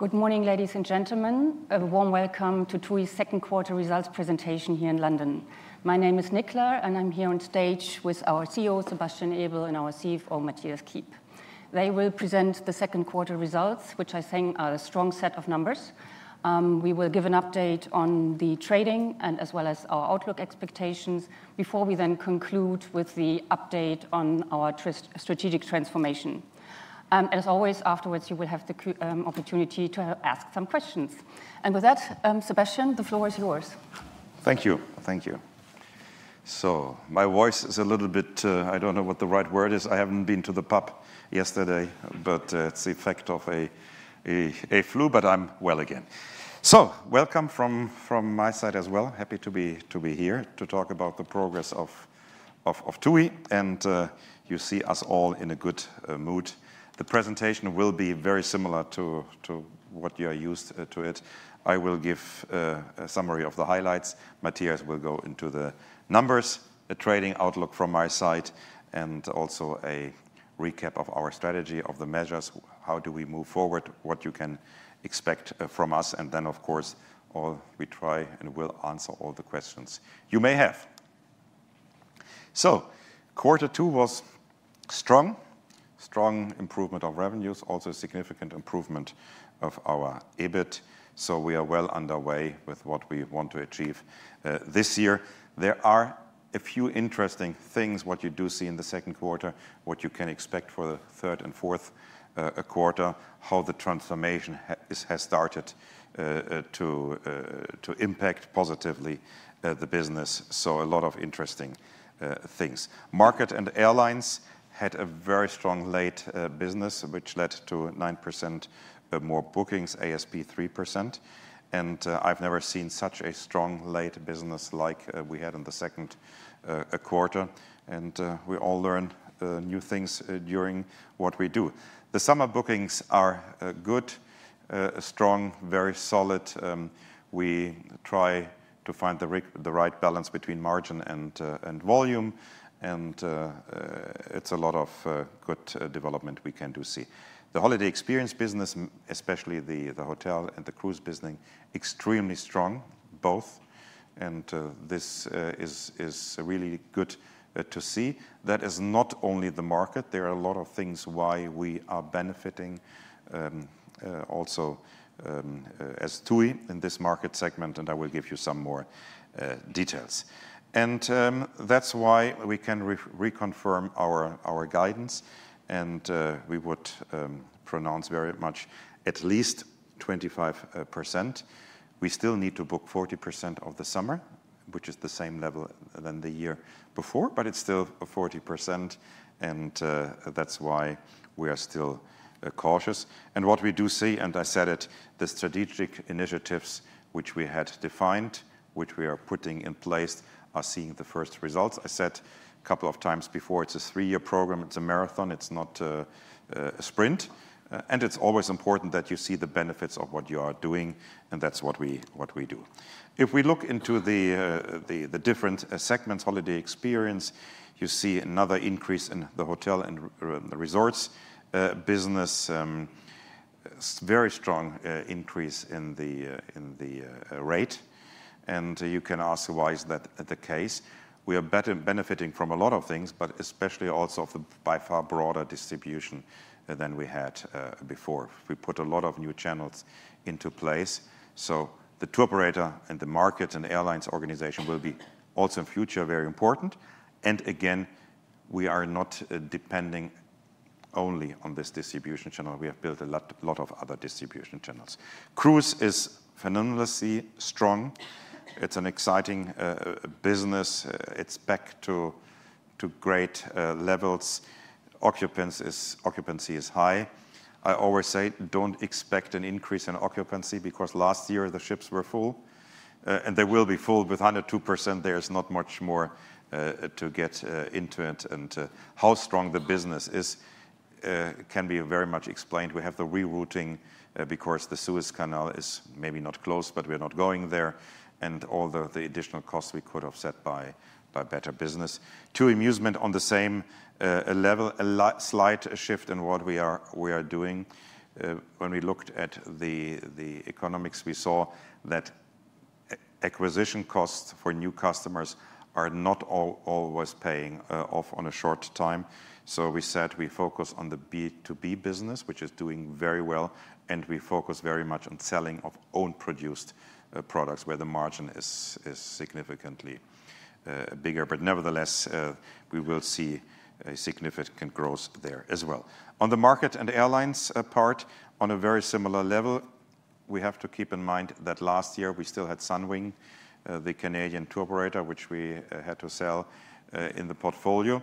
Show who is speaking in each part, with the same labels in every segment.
Speaker 1: Good morning, ladies and gentlemen. A warm welcome to TUI's second quarter results presentation here in London. My name is Nicola, and I'm here on stage with our CEO, Sebastian Ebel, and our CFO, Matthias Kiep. They will present the second quarter results, which I think are a strong set of numbers. We will give an update on the trading and as well as our outlook expectations, before we then conclude with the update on our strategic transformation. As always, afterwards, you will have the opportunity to ask some questions. With that, Sebastian, the floor is yours.
Speaker 2: Thank you. Thank you. So my voice is a little bit. I don't know what the right word is. I haven't been to the pub yesterday, but it's the effect of a flu, but I'm well again. So welcome from my side as well. Happy to be here to talk about the progress of TUI, and you see us all in a good mood. The presentation will be very similar to what you are used to it. I will give a summary of the highlights. Matthias will go into the numbers, a trading outlook from my side, and also a recap of our strategy of the measures, how do we move forward, what you can expect from us, and then, of course, all we try and will answer all the questions you may have. So quarter two was strong. Strong improvement of revenues, also significant improvement of our EBIT, so we are well underway with what we want to achieve, this year. There are a few interesting things, what you do see in the second quarter, what you can expect for the third and fourth quarter, how the transformation has started, to impact positively, the business. So a lot of interesting things. Market and airlines had a very strong late business, which led to 9% more bookings, ASP 3%, and, I've never seen such a strong late business like we had in the second quarter. And we all learned new things during what we do. The summer bookings are good, strong, very solid. We try to find the right balance between margin and volume, and it's a lot of good development we come to see. The holiday experience business, especially the hotel and the cruise business, extremely strong, both, and this is really good to see. That is not only the market. There are a lot of things why we are benefiting also as TUI in this market segment, and I will give you some more details. And that's why we can reconfirm our guidance, and we would pronounce very much at least 25%. We still need to book 40% of the summer, which is the same level than the year before, but it's still a 40%, and that's why we are still cautious. What we do see, and I said it, the strategic initiatives which we had defined, which we are putting in place, are seeing the first results. I said a couple of times before, it's a three-year program. It's a marathon. It's not a sprint. And it's always important that you see the benefits of what you are doing, and that's what we do. If we look into the different segments, holiday experience, you see another increase in the hotel and the resorts business. Very strong increase in the rate, and you can ask, why is that the case? We are better benefiting from a lot of things, but especially also the by far broader distribution than we had before. We put a lot of new channels into place, so the tour operator and the market and airlines organization will be also in future, very important. And again, we are not depending only on this distribution channel. We have built a lot, lot of other distribution channels. Cruise is phenomenally strong. It's an exciting business. It's back to great levels. Occupancy is high. I always say, don't expect an increase in occupancy, because last year the ships were full, and they will be full. With 102%, there's not much more to get into it, and how strong the business is can be very much explained. We have the rerouting because the Suez Canal is maybe not closed, but we're not going there, and all the additional costs we could offset by better business. TUI Musement on the same level, a slight shift in what we are doing. When we looked at the economics, we saw that acquisition costs for new customers are not always paying off on a short time. So we said we focus on the B2B business, which is doing very well, and we focus very much on selling of own produced products, where the margin is significantly bigger. But nevertheless, we will see a significant growth there as well. On the market and airlines part, on a very similar level, we have to keep in mind that last year we still had Sunwing, the Canadian tour operator, which we had to sell in the portfolio.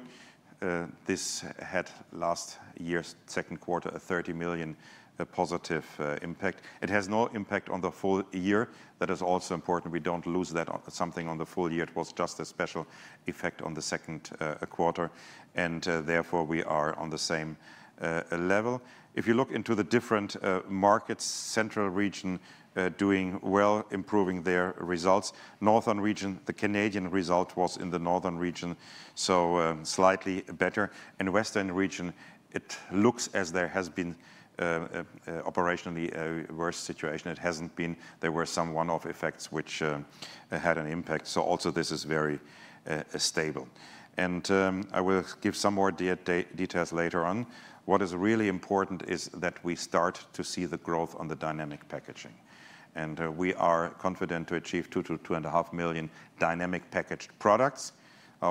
Speaker 2: Last year's second quarter had a 30 million positive impact. It has no impact on the full year. That is also important. We don't lose that on the full year. It was just a special effect on the second quarter, and therefore, we are on the same level. If you look into the different markets, central region doing well, improving their results. Northern region, the Canadian result was in the northern region, so slightly better. In western region, it looks as there has been operationally a worse situation. It hasn't been. There were some one-off effects which had an impact, so also this is very stable. And I will give some more details later on. What is really important is that we start to see the growth on the dynamic packaging, and we are confident to achieve 2-2.5 million dynamic packaged products.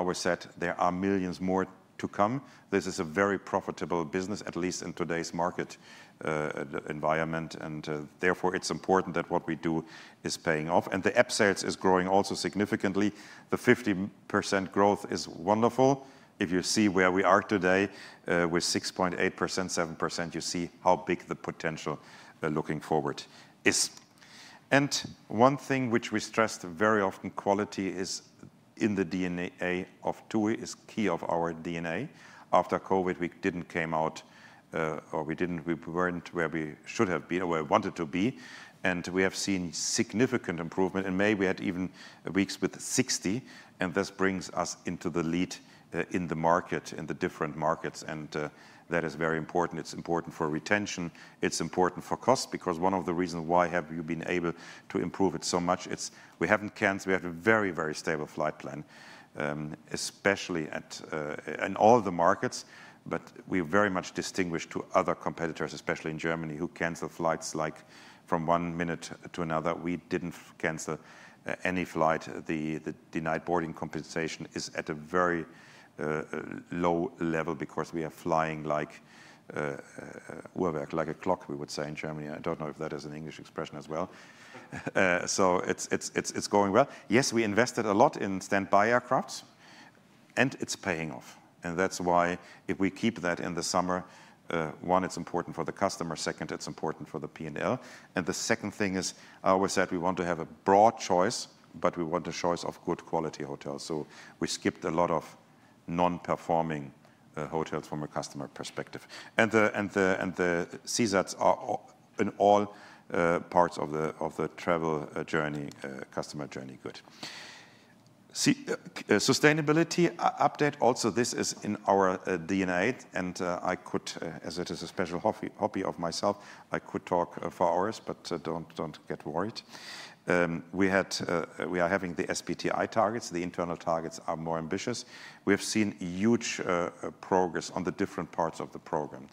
Speaker 2: We said there are millions more to come. This is a very profitable business, at least in today's market environment, and therefore, it's important that what we do is paying off. And the App sales is growing also significantly. The 50% growth is wonderful. If you see where we are today, with 6.8%, 7%, you see how big the potential, looking forward is. One thing which we stressed very often, quality is in the DNA of TUI, is key of our DNA. After COVID, we didn't came out, or we didn't... We weren't where we should have been or where we wanted to be, and we have seen significant improvement. In May, we had even weeks with 60%, and this brings us into the lead, in the market, in the different markets, and, that is very important. It's important for retention, it's important for cost, because one of the reasons why have we been able to improve it so much, it's we haven't cancelled. We have a very, very stable flight plan, especially at, in all the markets. But we very much distinguish to other competitors, especially in Germany, who cancel flights like from one minute to another. We didn't cancel any flight. The denied boarding compensation is at a very low level because we are flying like a clock, we would say in Germany. I don't know if that is an English expression as well. So it's going well. Yes, we invested a lot in standby aircrafts, and it's paying off, and that's why if we keep that in the summer, one, it's important for the customer; second, it's important for the P&L. And the second thing is, we said we want to have a broad choice, but we want a choice of good quality hotels, so we skipped a lot of non-performing hotels from a customer perspective. And the CSATs are in all parts of the travel journey, customer journey good. Sustainability update, also this is in our DNA, and I could, as it is a special hobby of myself, I could talk for hours, but don't get worried. We are having the SBTi targets. The internal targets are more ambitious. We have seen huge progress on the different parts of the program.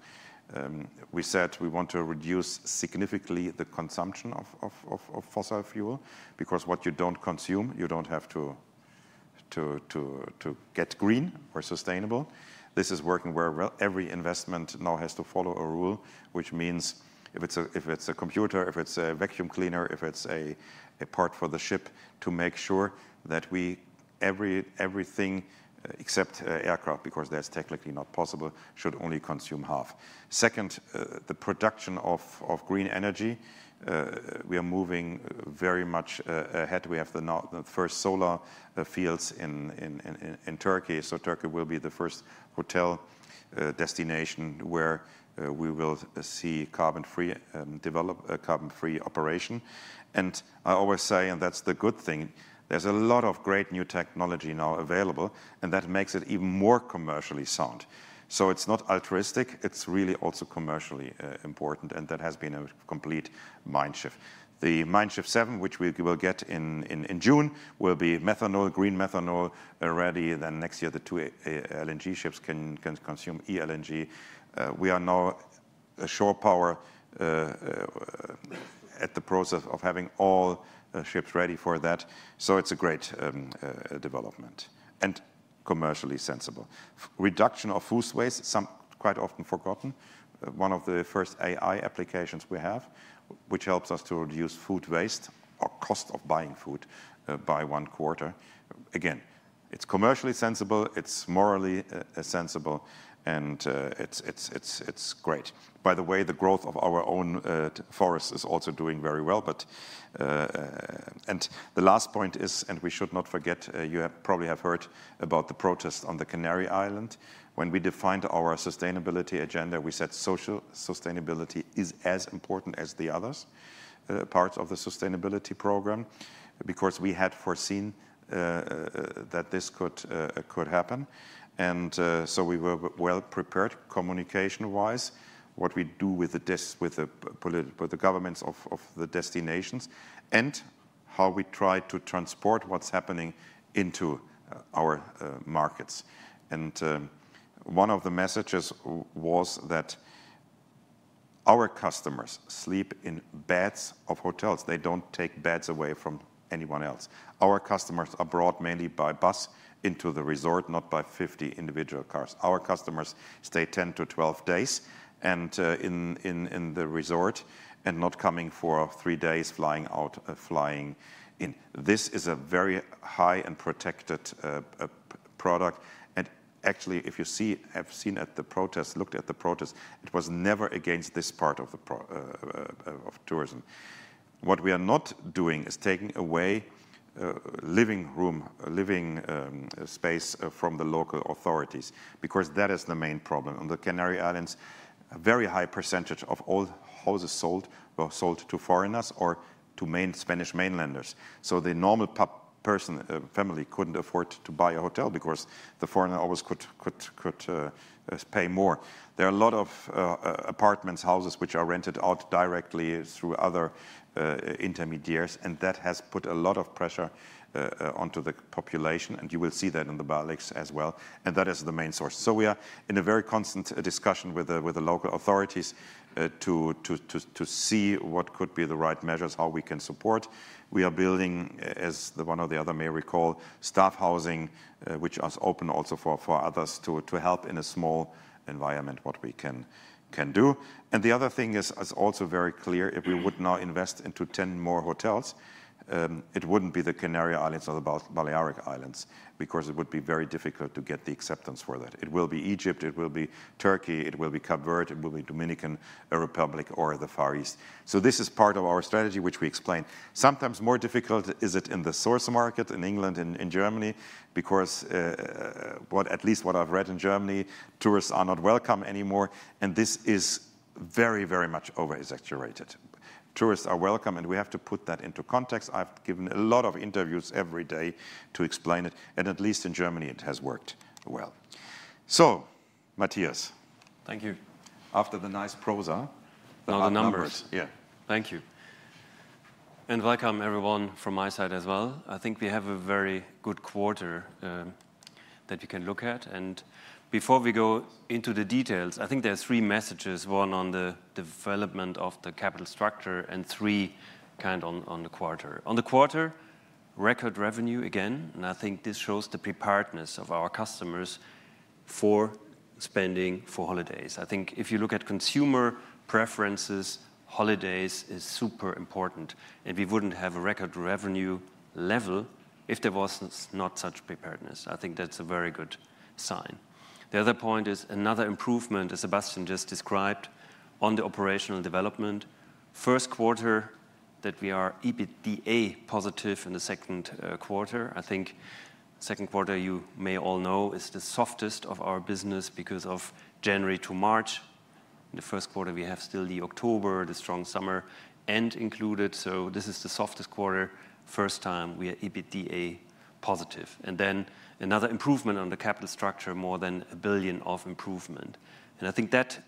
Speaker 2: We said we want to reduce significantly the consumption of fossil fuel, because what you don't consume, you don't have to get green or sustainable. This is working very well. Every investment now has to follow a rule, which means if it's a computer, if it's a vacuum cleaner, if it's a part for the ship, to make sure that we... everything, except aircraft, because that's technically not possible, should only consume half. Second, the production of green energy. We are moving very much ahead. We have the first solar fields in Turkey. So Turkey will be the first hotel destination where we will see carbon-free develop a carbon-free operation. And I always say, and that's the good thing, there's a lot of great new technology now available, and that makes it even more commercially sound. So it's not altruistic, it's really also commercially important, and that has been a complete mind shift. The Mein Schiff 7, which we will get in June, will be methanol, green methanol, ready. Then next year, the two LNG ships can consume e-LNG. We are now a shore power at the process of having all ships ready for that, so it's a great development and commercially sensible. Reduction of food waste, something quite often forgotten. One of the first AI applications we have, which helps us to reduce food waste or cost of buying food by one quarter. Again, it's commercially sensible, it's morally sensible, and it's great. By the way, the growth of our own forest is also doing very well. The last point is, and we should not forget, you have probably heard about the protest on the Canary Islands. When we defined our sustainability agenda, we said social sustainability is as important as the others, parts of the sustainability program, because we had foreseen that this could happen. So we were well prepared communication-wise, what we do with the governments of the destinations, and how we try to transport what's happening into our markets. One of the messages was that our customers sleep in beds of hotels. They don't take beds away from anyone else. Our customers are brought mainly by bus into the resort, not by 50 individual cars. Our customers stay 10-12 days, in the resort and not coming for 3 days, flying out, flying in. This is a very high and protected product. And actually, if you have seen the protests, it was never against this part of the product of tourism. What we are not doing is taking away living space from the local authorities, because that is the main problem. On the Canary Islands, a very high percentage of all houses sold were sold to foreigners or to mainland Spanish. So the normal person or family couldn't afford to buy a house because the foreigner always could pay more. There are a lot of apartments, houses, which are rented out directly through other intermediaries, and that has put a lot of pressure onto the population, and you will see that in the Balearics as well, and that is the main source. So we are in a very constant discussion with the local authorities to see what could be the right measures, how we can support. We are building, as the one or the other may recall, staff housing, which is open also for others to help in a small environment, what we can do. And the other thing is also very clear: if we would now invest into 10 more hotels, it wouldn't be the Canary Islands or the Balearic Islands, because it would be very difficult to get the acceptance for that. It will be Egypt, it will be Turkey, it will be Cabo Verde, it will be Dominican Republic or the Far East. So this is part of our strategy, which we explain. Sometimes more difficult is it in the source market, in England and in Germany, because, at least what I've read in Germany, tourists are not welcome anymore, and this is very, very much over exaggerated. Tourists are welcome, and we have to put that into context. I've given a lot of interviews every day to explain it, and at least in Germany, it has worked well. So, Matthias.
Speaker 3: Thank you.
Speaker 2: After the nice prose,
Speaker 3: Now the numbers.
Speaker 2: Yeah.
Speaker 3: Thank you. Welcome, everyone, from my side as well. I think we have a very good quarter that you can look at. Before we go into the details, I think there are three messages, one on the development of the capital structure, and three, kind of on the quarter. On the quarter, record revenue again, and I think this shows the preparedness of our customers for spending for holidays. I think if you look at consumer preferences, holidays is super important, and we wouldn't have a record revenue level if there was not such preparedness. I think that's a very good sign. The other point is another improvement, as Sebastian just described, on the operational development. First quarter that we are EBITDA positive in the second quarter. I think second quarter, you may all know, is the softest of our business because of January to March. In the first quarter, we have still the October, the strong summer end included, so this is the softest quarter, first time we are EBITDA positive. Then another improvement on the capital structure, more than 1 billion of improvement. I think that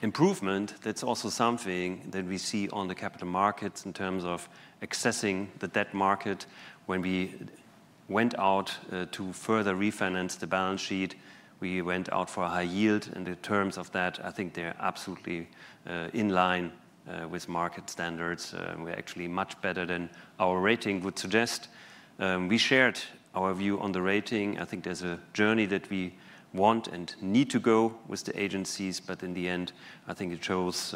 Speaker 3: improvement, that's also something that we see on the capital markets in terms of accessing the debt market. When we went out to further refinance the balance sheet, we went out for a high yield, and the terms of that, I think they're absolutely in line with market standards. We're actually much better than our rating would suggest. We shared our view on the rating. I think there's a journey that we want and need to go with the agencies, but in the end, I think it shows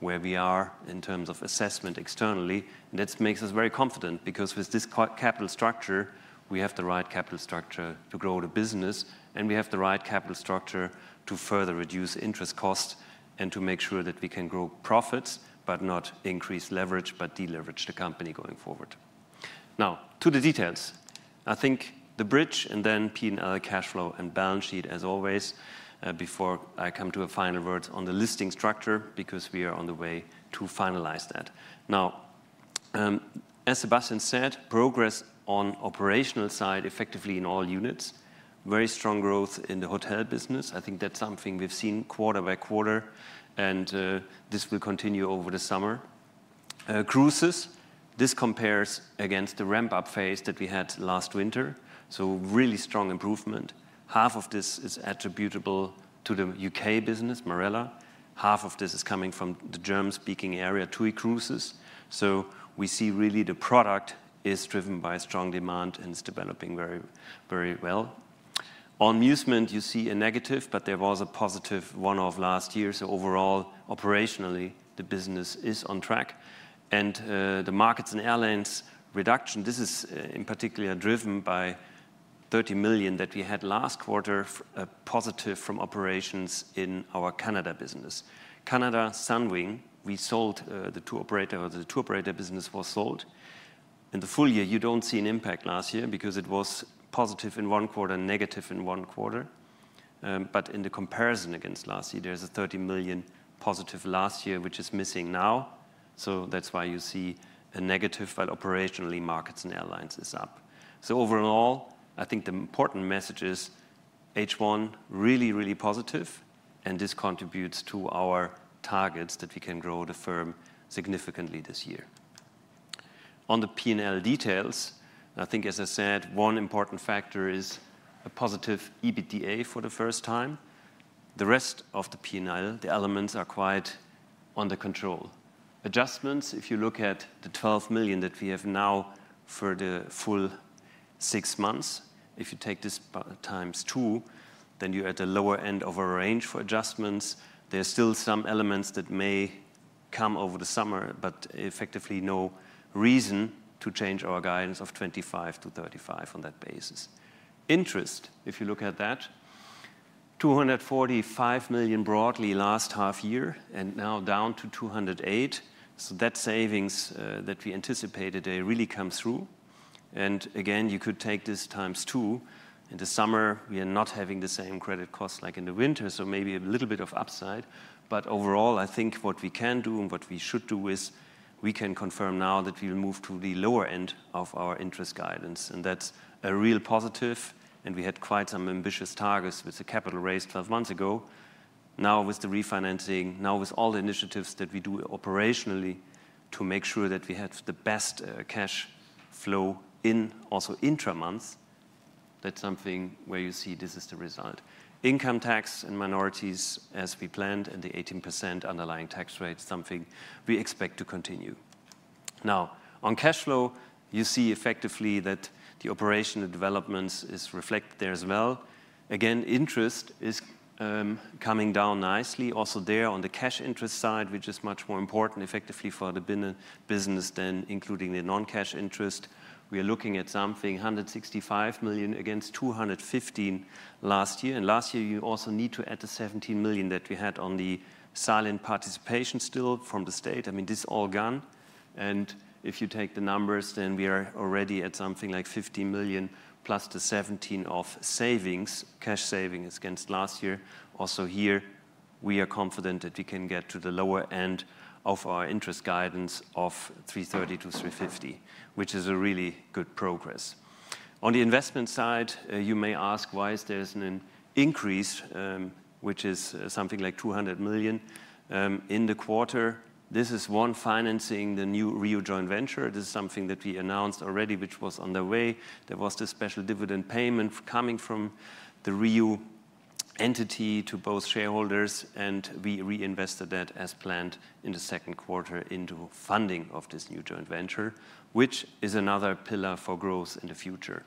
Speaker 3: where we are in terms of assessment externally. And that makes us very confident, because with this capital structure, we have the right capital structure to grow the business, and we have the right capital structure to further reduce interest costs and to make sure that we can grow profits, but not increase leverage, but deleverage the company going forward. Now, to the details. I think the bridge, and then P&L cash flow and balance sheet, as always, before I come to a final word on the listing structure, because we are on the way to finalize that. Now, as Sebastian said, progress on operational side, effectively in all units. Very strong growth in the hotel business. I think that's something we've seen quarter by quarter, and this will continue over the summer. Cruises, this compares against the ramp-up phase that we had last winter, so really strong improvement. Half of this is attributable to the UK business, Marella. Half of this is coming from the German-speaking area, TUI Cruises. So we see really the product is driven by strong demand, and it's developing very, very well. On Musement, you see a negative, but there was a positive one-off last year, so overall, operationally, the business is on track. And the markets and airlines reduction, this is in particular driven by 30 million that we had last quarter, positive from operations in our Canada business. Canada Sunwing, we sold the tour operator, or the tour operator business was sold. In the full year, you don't see an impact last year because it was positive in one quarter, negative in one quarter. But in the comparison against last year, there is a 30 million positive last year, which is missing now. So that's why you see a negative, but operationally, markets and airlines is up. So overall, I think the important message is, H1, really, really positive, and this contributes to our targets that we can grow the firm significantly this year. On the P&L details, I think, as I said, one important factor is a positive EBITDA for the first time. The rest of the P&L, the elements are quite under control. Adjustments, if you look at the 12 million that we have now for the full six months, if you take this by times two, then you're at the lower end of our range for adjustments. There are still some elements that may come over the summer, but effectively no reason to change our guidance of 25-35 on that basis. Interest, if you look at that, 245 million broadly last half year, and now down to 208 million. So that savings, that we anticipated, they really come through. And again, you could take this times two. In the summer, we are not having the same credit costs like in the winter, so maybe a little bit of upside. But overall, I think what we can do and what we should do is, we can confirm now that we will move to the lower end of our interest guidance, and that's a real positive. And we had quite some ambitious targets with the capital raise 12 months ago. Now, with the refinancing, now with all the initiatives that we do operationally to make sure that we have the best cash flow in also intra-month, that's something where you see this is the result. Income tax and minorities as we planned, and the 18% underlying tax rate, something we expect to continue. Now, on cash flow, you see effectively that the operational developments is reflected there as well. Again, interest is coming down nicely. Also there on the cash interest side, which is much more important effectively for the business than including the non-cash interest. We are looking at something, 165 million against 215 million last year. And last year, you also need to add the 17 million that we had on the silent participation still from the state. I mean, this is all gone. If you take the numbers, then we are already at something like 50 million, plus the 17 million of savings, cash savings against last year. Also here, we are confident that we can get to the lower end of our interest guidance of 330 million-350 million, which is a really good progress. On the investment side, you may ask, why is there an increase, which is something like 200 million in the quarter. This is one, financing the new RIU joint venture. This is something that we announced already, which was on the way. There was this special dividend payment coming from the RIU entity to both shareholders, and we reinvested that as planned in the second quarter into funding of this new joint venture, which is another pillar for growth in the future.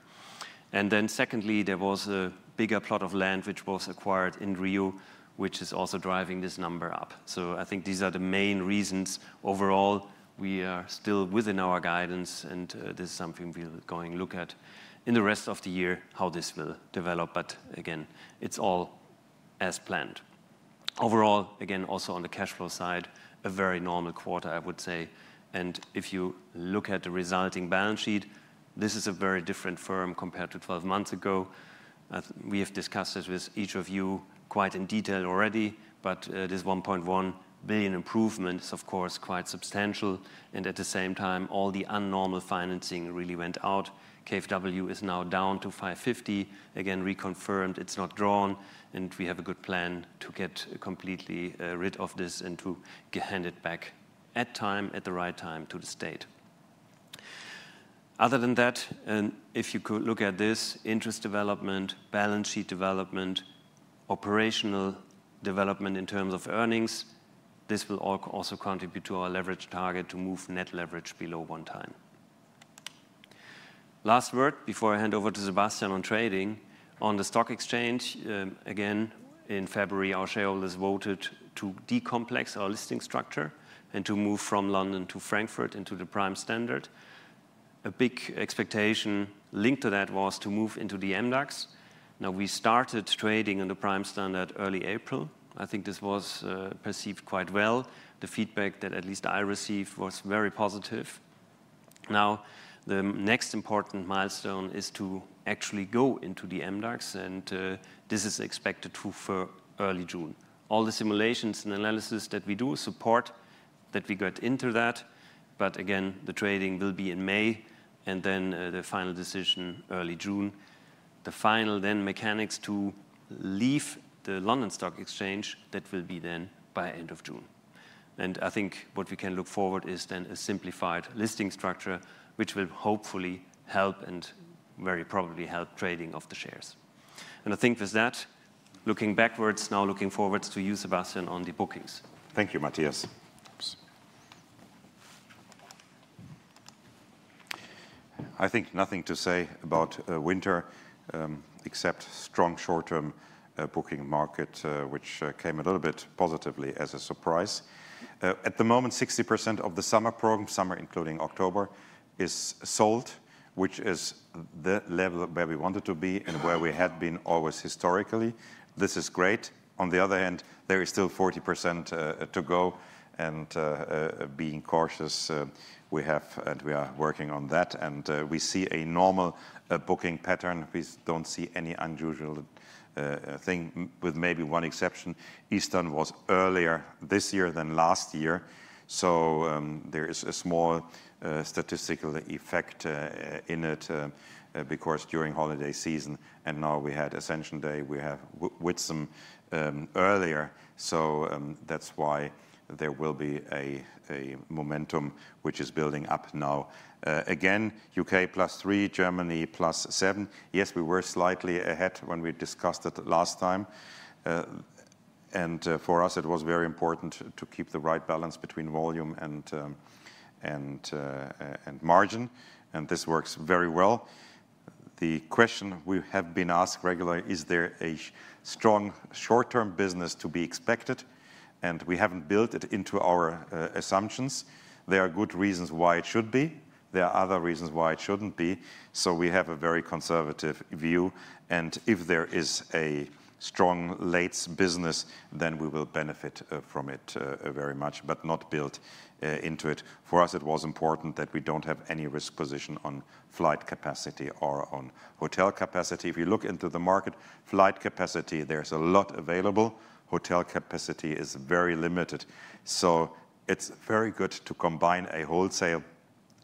Speaker 3: Then secondly, there was a bigger plot of land which was acquired in Rio, which is also driving this number up. So I think these are the main reasons. Overall, we are still within our guidance, and this is something we're going look at in the rest of the year, how this will develop. But again, it's all as planned. Overall, again, also on the cash flow side, a very normal quarter, I would say. And if you look at the resulting balance sheet, this is a very different firm compared to 12 months ago. We have discussed this with each of you quite in detail already, but this 1.1 billion improvement is, of course, quite substantial, and at the same time, all the abnormal financing really went out. KfW is now down to 550 million. Again, reconfirmed, it's not drawn, and we have a good plan to get completely rid of this and to hand it back at time, at the right time to the state. Other than that, and if you could look at this, interest development, balance sheet development, operational development in terms of earnings, this will also contribute to our leverage target to move net leverage below one time. Last word before I hand over to Sebastian on trading. On the stock exchange, again, in February, our shareholders voted to decomplex our listing structure and to move from London to Frankfurt into the Prime Standard. A big expectation linked to that was to move into the MDAX. Now, we started trading in the Prime Standard early April. I think this was perceived quite well. The feedback that at least I received was very positive. Now, the next important milestone is to actually go into the MDAX, and, this is expected to for early June. All the simulations and analysis that we do support that we got into that, but again, the trading will be in May, and then, the final decision, early June. The final then mechanics to leave the London Stock Exchange, that will be then by end of June. And I think what we can look forward is then a simplified listing structure, which will hopefully help and very probably help trading of the shares. And I think with that, looking backwards, now looking forwards to you, Sebastian, on the bookings.
Speaker 2: Thank you, Matthias. Oops. I think nothing to say about winter, except strong short-term booking market, which came a little bit positively as a surprise. At the moment, 60% of the summer program, summer including October, is sold, which is the level where we wanted to be and where we had been always historically. This is great. On the other hand, there is still 40% to go, and, being cautious, we have, and we are working on that. We see a normal booking pattern. We don't see any unusual thing with maybe one exception. Easter was earlier this year than last year, so there is a small statistical effect in it because during holiday season, and now we had Ascension Day, we have Whitsun earlier. So, that's why there will be a momentum which is building up now. Again, UK +3, Germany +7. Yes, we were slightly ahead when we discussed it last time. For us, it was very important to keep the right balance between volume and margin, and this works very well.... The question we have been asked regularly, is there a strong short-term business to be expected? And we haven't built it into our assumptions. There are good reasons why it should be. There are other reasons why it shouldn't be. So we have a very conservative view, and if there is a strong late business, then we will benefit from it very much, but not built into it. For us, it was important that we don't have any risk position on flight capacity or on hotel capacity. If you look into the market, flight capacity, there's a lot available. Hotel capacity is very limited. So it's very good to combine a wholesale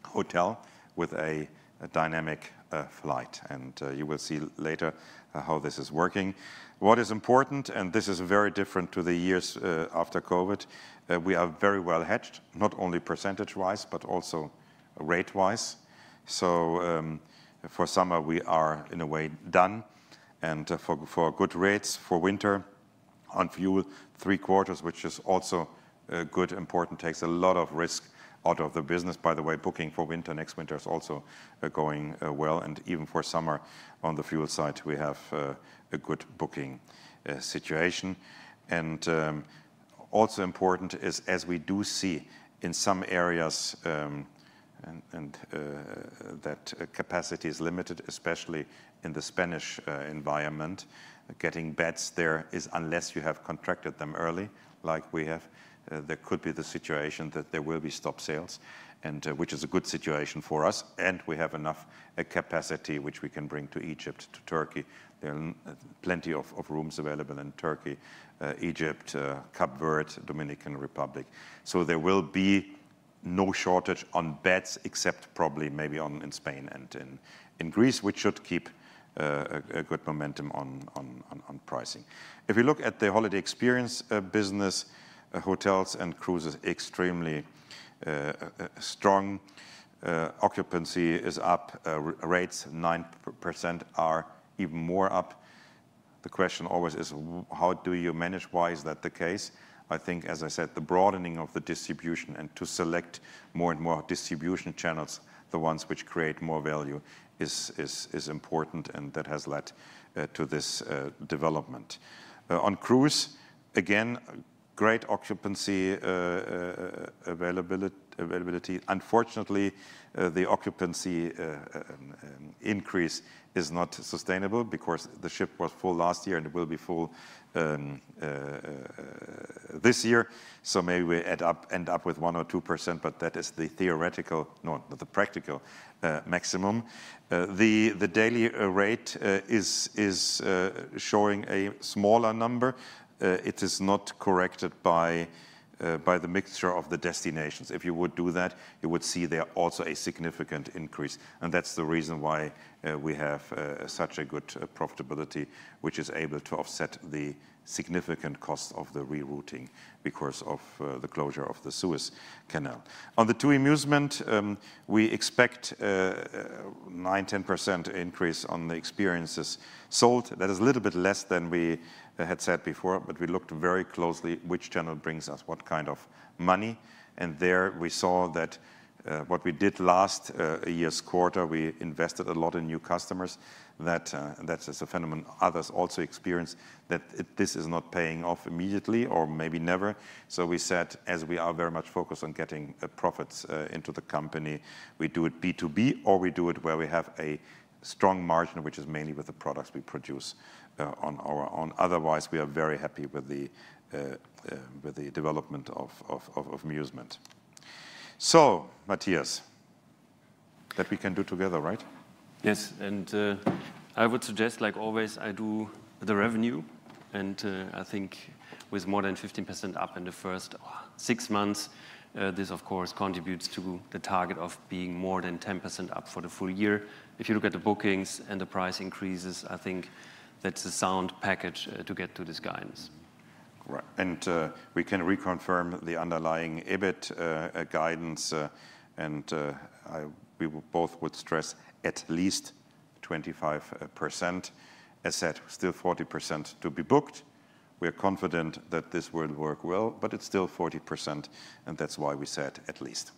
Speaker 2: hotel with a dynamic flight, and you will see later how this is working. What is important, and this is very different to the years after COVID, we are very well hedged, not only percentage-wise, but also rate-wise. So, for summer we are, in a way, done. And, for good rates for winter on fuel, three quarters, which is also good, important, takes a lot of risk out of the business. By the way, booking for winter, next winter, is also going well, and even for summer. On the fuel side, we have a good booking situation. And also important is, as we do see in some areas, and that capacity is limited, especially in the Spanish environment, getting beds there is, unless you have contracted them early, like we have, there could be the situation that there will be stop sales, and which is a good situation for us, and we have enough capacity, which we can bring to Egypt, to Turkey. There are plenty of rooms available in Turkey, Egypt, Cape Verde, Dominican Republic. So there will be no shortage on beds, except probably, maybe in Spain and in Greece, which should keep a good momentum on pricing. If you look at the holiday experience business, hotels and cruises, extremely strong. Occupancy is up. Rates, 9% are even more up. The question always is, how do you manage? Why is that the case? I think, as I said, the broadening of the distribution and to select more and more distribution channels, the ones which create more value, is important, and that has led to this development. On cruise, again, great occupancy, availability. Unfortunately, the occupancy increase is not sustainable because the ship was full last year, and it will be full this year. So maybe we end up with 1 or 2%, but that is the practical maximum. The daily rate is showing a smaller number. It is not corrected by the mixture of the destinations. If you would do that, you would see there also a significant increase, and that's the reason why we have such a good profitability, which is able to offset the significant cost of the rerouting because of the closure of the Suez Canal. On the TUI Musement, we expect 9%-10% increase on the experiences sold. That is a little bit less than we had said before, but we looked very closely which channel brings us what kind of money, and there we saw that what we did last year's quarter, we invested a lot in new customers. That is a phenomenon others also experience, that this is not paying off immediately or maybe never. So we said, as we are very much focused on getting profits into the company, we do it B2B, or we do it where we have a strong margin, which is mainly with the products we produce on our own. Otherwise, we are very happy with the development of Musement. So, Matthias, that we can do together, right?
Speaker 3: Yes, and I would suggest, like always, I do the revenue, and I think with more than 15% up in the first six months, this of course contributes to the target of being more than 10% up for the full year. If you look at the bookings and the price increases, I think that's a sound package to get to this guidance.
Speaker 2: Right. And, we can reconfirm the underlying EBIT guidance, and we both would stress at least 25%. As said, still 40% to be booked. We are confident that this will work well, but it's still 40%, and that's why we said at least.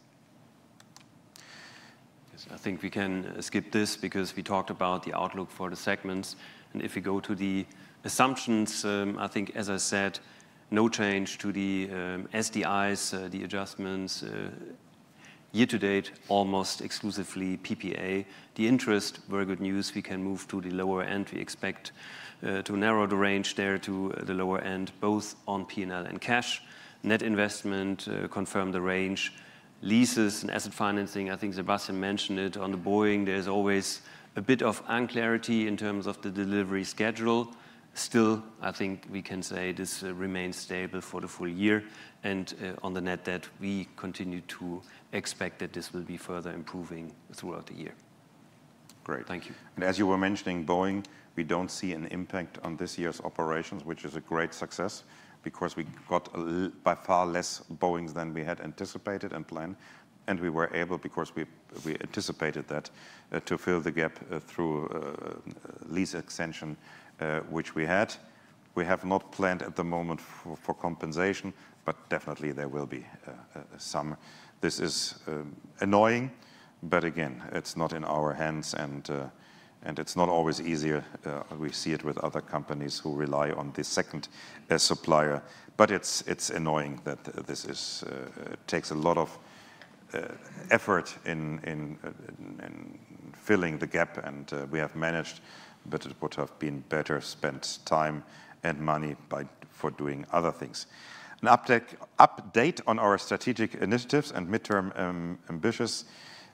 Speaker 3: Yes, I think we can skip this because we talked about the outlook for the segments. And if you go to the assumptions, I think, as I said, no change to the SDIs, the adjustments year to date, almost exclusively PPA. The interest, very good news, we can move to the lower end. We expect to narrow the range there to the lower end, both on PNL and cash. Net investment, confirm the range. Leases and asset financing, I think Sebastian mentioned it. On the Boeing, there's always a bit of unclarity in terms of the delivery schedule. Still, I think we can say this remains stable for the full year and on the net debt, we continue to expect that this will be further improving throughout the year.
Speaker 2: Great.
Speaker 3: Thank you.
Speaker 2: As you were mentioning, Boeing, we don't see an impact on this year's operations, which is a great success, because we got by far less Boeings than we had anticipated and planned, and we were able, because we anticipated that, to fill the gap through lease extension, which we had. We have not planned at the moment for compensation, but definitely there will be some. This is annoying, but again, it's not in our hands, and it's not always easier. We see it with other companies who rely on the second supplier. But it's annoying that this takes a lot of effort in filling the gap, and we have managed, but it would have been better spent time and money by for doing other things. An update, update on our strategic initiatives and midterm ambitions.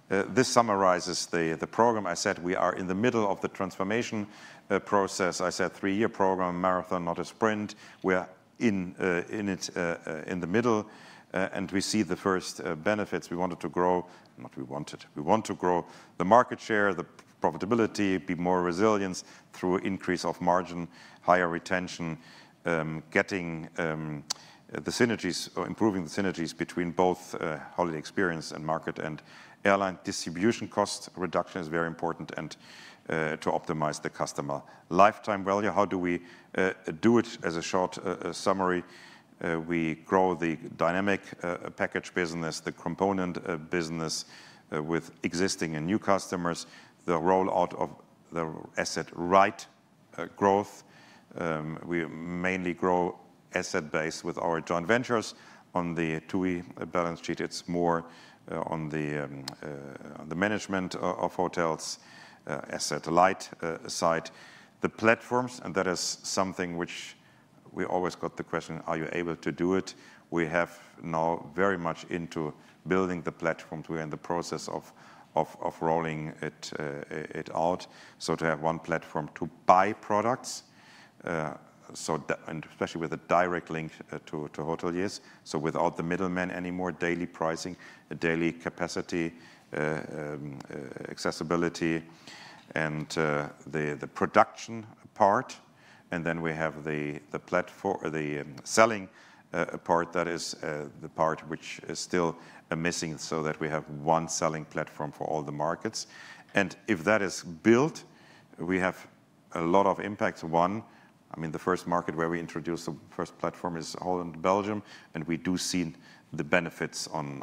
Speaker 2: This summarizes the program. I said we are in the middle of the transformation process. I said three-year program, marathon, not a sprint. We are in it, in the middle, and we see the first benefits. We wanted to grow... Not we wanted, we want to grow the market share, the profitability, be more resilient through increase of margin, higher retention, getting the synergies or improving the synergies between both holiday experience and market and airline distribution cost reduction is very important, and to optimize the customer lifetime value. How do we do it? As a short summary, we grow the dynamic package business, the component business with existing and new customers, the rollout of the Asset Right growth. We mainly grow asset base with our joint ventures. On the TUI balance sheet, it's more on the management of hotels, asset light side. The platforms, and that is something which we always got the question: Are you able to do it? We have now very much into building the platform. We're in the process of rolling it out, so to have one platform to buy products, so that... and especially with a direct link to hoteliers. So without the middleman anymore, daily pricing, daily capacity, accessibility, and the production part, and then we have the platform... the selling part, that is the part which is still missing, so that we have one selling platform for all the markets. And if that is built, we have a lot of impacts. One, I mean, the first market where we introduce the first platform is Holland, Belgium, and we do see the benefits on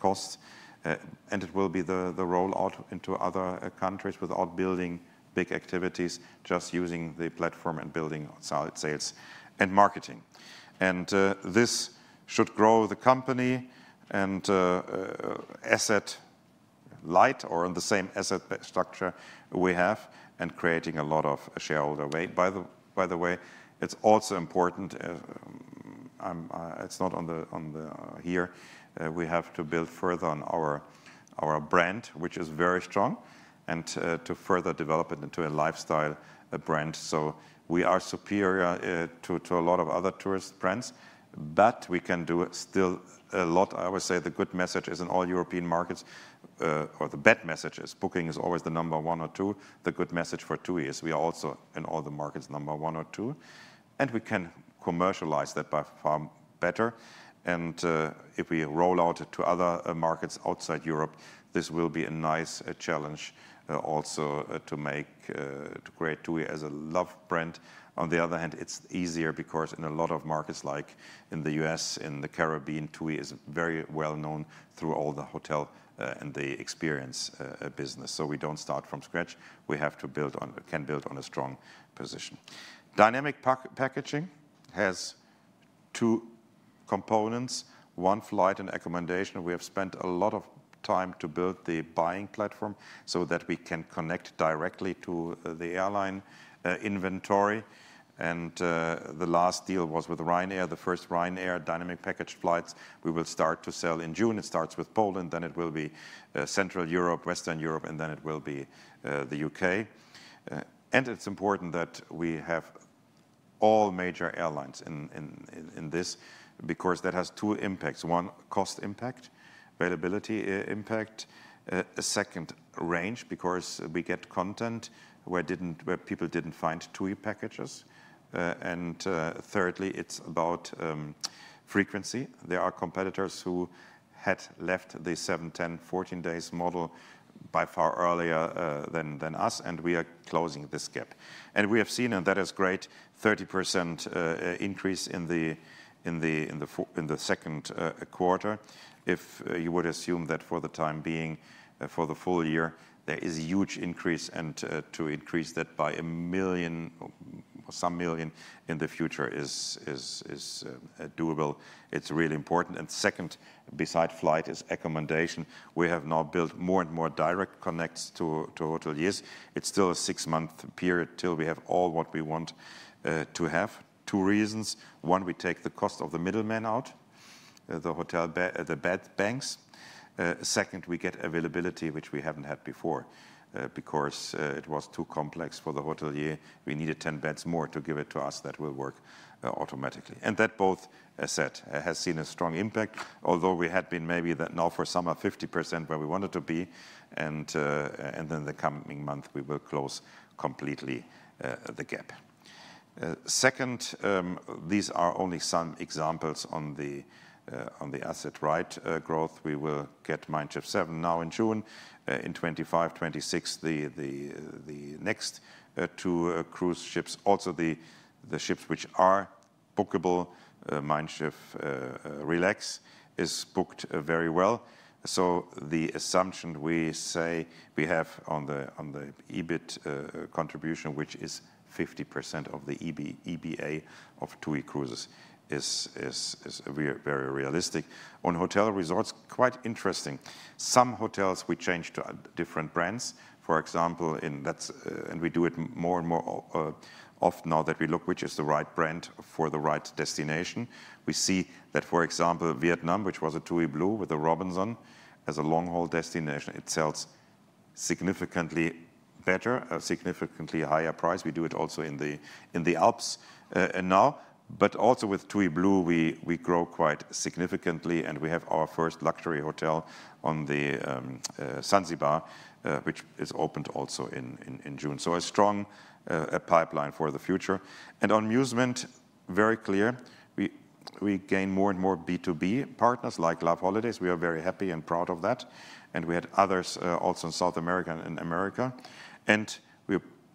Speaker 2: costs. And it will be the roll out into other countries without building big activities, just using the platform and building solid sales and marketing. And this should grow the company and asset light or on the same asset structure we have, and creating a lot of shareholder weight. By the way, it's also important, it's not on the here. We have to build further on our brand, which is very strong, and to further develop it into a lifestyle brand. So we are superior to a lot of other tourist brands, but we can do it still a lot. I would say the good message is in all European markets, or the bad message is, Booking is always the number one or two. The good message for TUI is, we are also, in all the markets, number one or two, and we can commercialize that by far better. And, if we roll out to other markets outside Europe, this will be a nice challenge also to make to create TUI as a love brand. On the other hand, it's easier because in a lot of markets, like in the US, in the Caribbean, TUI is very well known through all the hotel and the experience business. So we don't start from scratch. We have to build on... can build on a strong position. Dynamic packaging has two components: one, flight and accommodation. We have spent a lot of time to build the buying platform so that we can connect directly to the airline inventory. And the last deal was with Ryanair, the first Ryanair dynamic package flights. We will start to sell in June. It starts with Poland, then it will be Central Europe, Western Europe, and then it will be the UK. And it's important that we have all major airlines in this, because that has two impacts: one, cost impact, availability impact. Second, range, because we get content where people didn't find TUI packages. And thirdly, it's about frequency. There are competitors who had left the 7, 10, 14 days model by far earlier than us, and we are closing this gap. We have seen, and that is great, 30% increase in the second quarter. If you would assume that for the time being for the full year, there is a huge increase, and to increase that by a million, some million in the future is doable. It's really important. Second, beside flight, is accommodation. We have now built more and more direct connects to hoteliers. It's still a six-month period till we have all what we want to have. Two reasons: one, we take the cost of the middleman out, the hotel bed banks. Second, we get availability, which we haven't had before, because it was too complex for the hotelier. We needed 10 beds more to give it to us. That will work automatically. And that both, asset, has seen a strong impact, although we had been maybe that now for summer 50% where we wanted to be, and then the coming month, we will close completely the gap. Second, these are only some examples on the on the Asset Right growth. We will get Mein Schiff 7 now in June. In 2025, 2026, the next 2 cruise ships, also the ships which are bookable, Mein Schiff Relax is booked very well. So the assumption we say we have on the EBIT contribution, which is 50% of the EBITDA of TUI Cruises, is very realistic. On hotel resorts, quite interesting. Some hotels we changed to different brands. For example, in that's. And we do it more and more often now that we look which is the right brand for the right destination. We see that, for example, Vietnam, which was a TUI Blue with a Robinson, as a long-haul destination, it sells significantly better, a significantly higher price. We do it also in the Alps now. But also with TUI Blue, we grow quite significantly, and we have our first luxury hotel on Zanzibar, which is opened also in June. So a strong pipeline for the future. On amusement, very clear, we gain more and more B2B partners, like loveholidays. We are very happy and proud of that, and we had others also in South America and in America. We're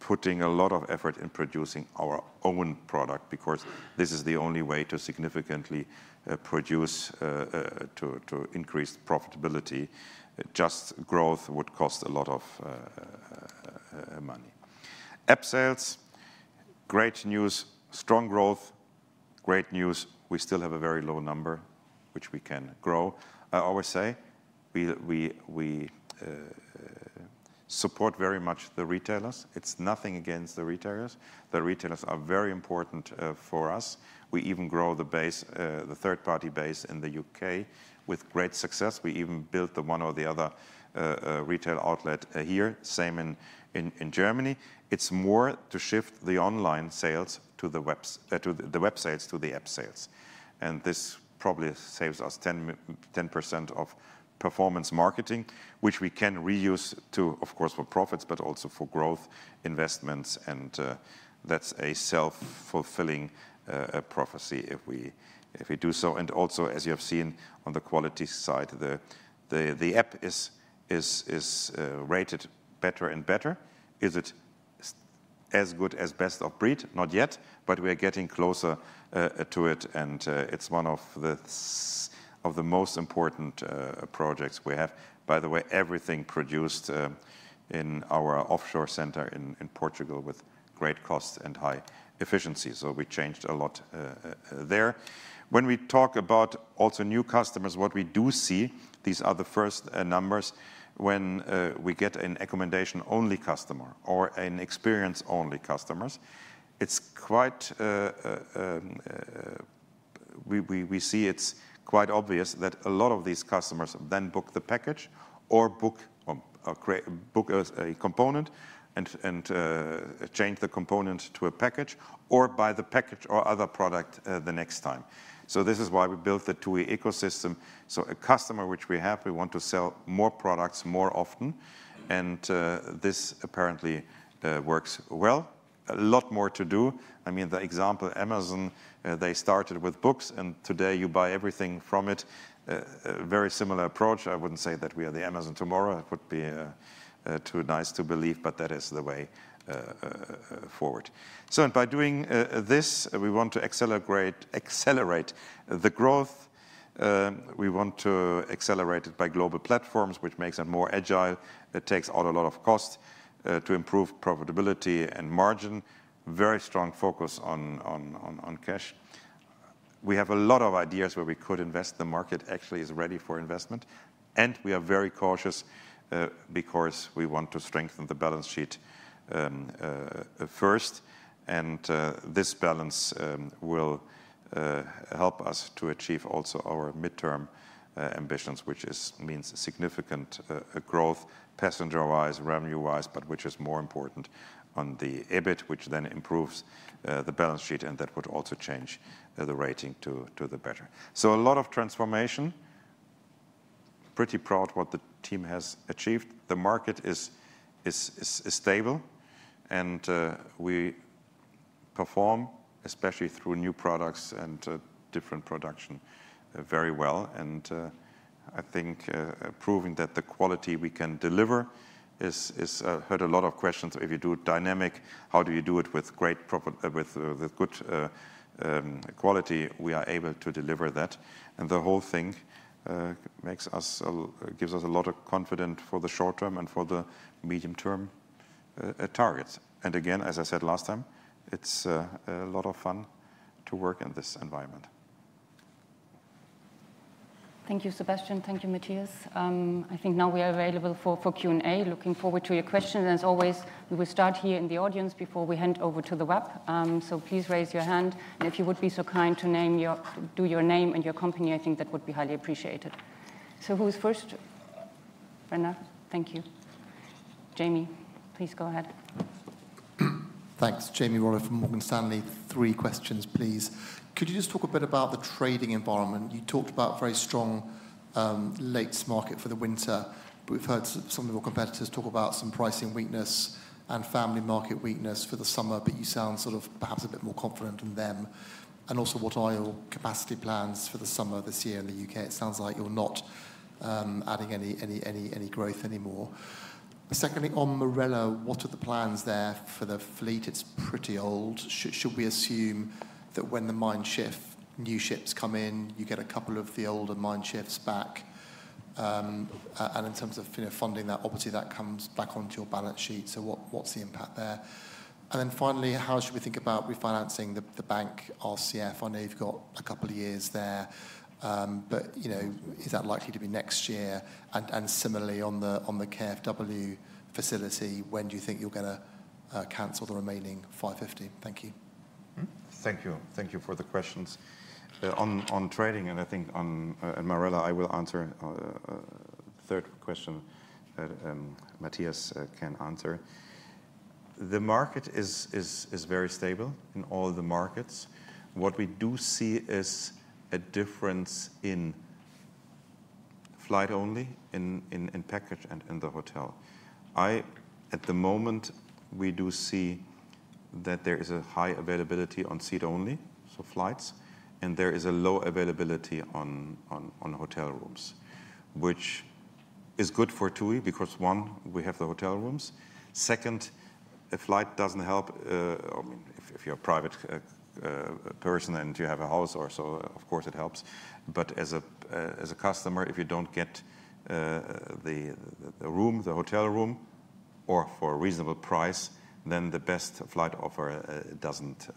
Speaker 2: putting a lot of effort in producing our own product, because this is the only way to significantly produce to increase profitability. Just growth would cost a lot of money. App sales, great news, strong growth. Great news, we still have a very low number, which we can grow. I always say we support very much the retailers. It's nothing against the retailers. The retailers are very important for us. We even grow the base, the third-party base in the UK with great success. We even built the one or the other retail outlet here. Same in Germany. It's more to shift the online sales to the websites, to the app sales. And this probably saves us 10% of performance marketing, which we can reuse to, of course, for profits, but also for growth, investments, and that's a self-fulfilling prophecy if we do so. And also, as you have seen on the quality side, the app is rated better and better. Is it as good as best of breed? Not yet, but we are getting closer to it, and it's one of the most important projects we have. By the way, everything produced in our offshore center in Portugal with great cost and high efficiency, so we changed a lot there. When we talk about also new customers, what we do see. These are the first numbers when we get an accommodation-only customer or an experience-only customers. We see it's quite obvious that a lot of these customers then book the package or book a component and change the component to a package, or buy the package or other product the next time. So this is why we built the TUI ecosystem. So a customer which we have, we want to sell more products more often, and this apparently works well. A lot more to do. I mean, the example, Amazon, they started with books, and today you buy everything from it. A very similar approach. I wouldn't say that we are the Amazon tomorrow. It would be too nice to believe, but that is the way forward. So and by doing this, we want to accelerate, accelerate the growth. We want to accelerate it by global platforms, which makes it more agile. It takes out a lot of cost to improve profitability and margin. Very strong focus on cash. We have a lot of ideas where we could invest. The market actually is ready for investment, and we are very cautious because we want to strengthen the balance sheet first. And this balance will help us to achieve also our midterm ambitions, which is means significant growth, passenger-wise, revenue-wise, but which is more important on the EBIT, which then improves the balance sheet, and that would also change the rating to the better. So a lot of transformation. Pretty proud what the team has achieved. The market is stable, and we perform, especially through new products and different production, very well. And I think proving that the quality we can deliver is... Heard a lot of questions, if you do it dynamic, how do you do it with good quality? We are able to deliver that, and the whole thing gives us a lot of confidence for the short term and for the medium-term targets. And again, as I said last time, it's a lot of fun to work in this environment.
Speaker 1: Thank you, Sebastian. Thank you, Matthias. I think now we are available for Q&A. Looking forward to your questions. As always, we will start here in the audience before we hand over to the web. So please raise your hand, and if you would be so kind to name your name and your company, I think that would be highly appreciated. So who is first? Bernard. Thank you. Jamie, please go ahead.
Speaker 4: Thanks. Jamie Rollo from Morgan Stanley. Three questions, please. Could you just talk a bit about the trading environment? You talked about very strong late market for the winter, but we've heard some of your competitors talk about some pricing weakness and family market weakness for the summer, but you sound sort of perhaps a bit more confident in them. And also, what are your capacity plans for the summer this year in the U.K.? It sounds like you're not adding any growth anymore. Secondly, on Marella, what are the plans there for the fleet? It's pretty old. Should we assume that when the Mein Schiff new ships come in, you get a couple of the older Mein Schiffs back? And in terms of, you know, funding that, obviously, that comes back onto your balance sheet, so what's the impact there? Then finally, how should we think about refinancing the bank RCF? I know you've got a couple of years there, but you know, is that likely to be next year? And similarly, on the KfW facility, when do you think you're gonna cancel the remaining 550 million? Thank you.
Speaker 2: Thank you. Thank you for the questions. On trading, and I think on Marella, I will answer. The third question, Matthias can answer. The market is very stable in all the markets. What we do see is a difference in flight only, in package, and in the hotel. At the moment, we do see that there is a high availability on seat only, so flights, and there is a low availability on hotel rooms, which is good for TUI, because, one, we have the hotel rooms. Second, a flight doesn't help. I mean, if you're a private person and you have a house or so, of course it helps. But as a customer, if you don't get the room, the hotel room, for a reasonable price, then the best flight offer doesn't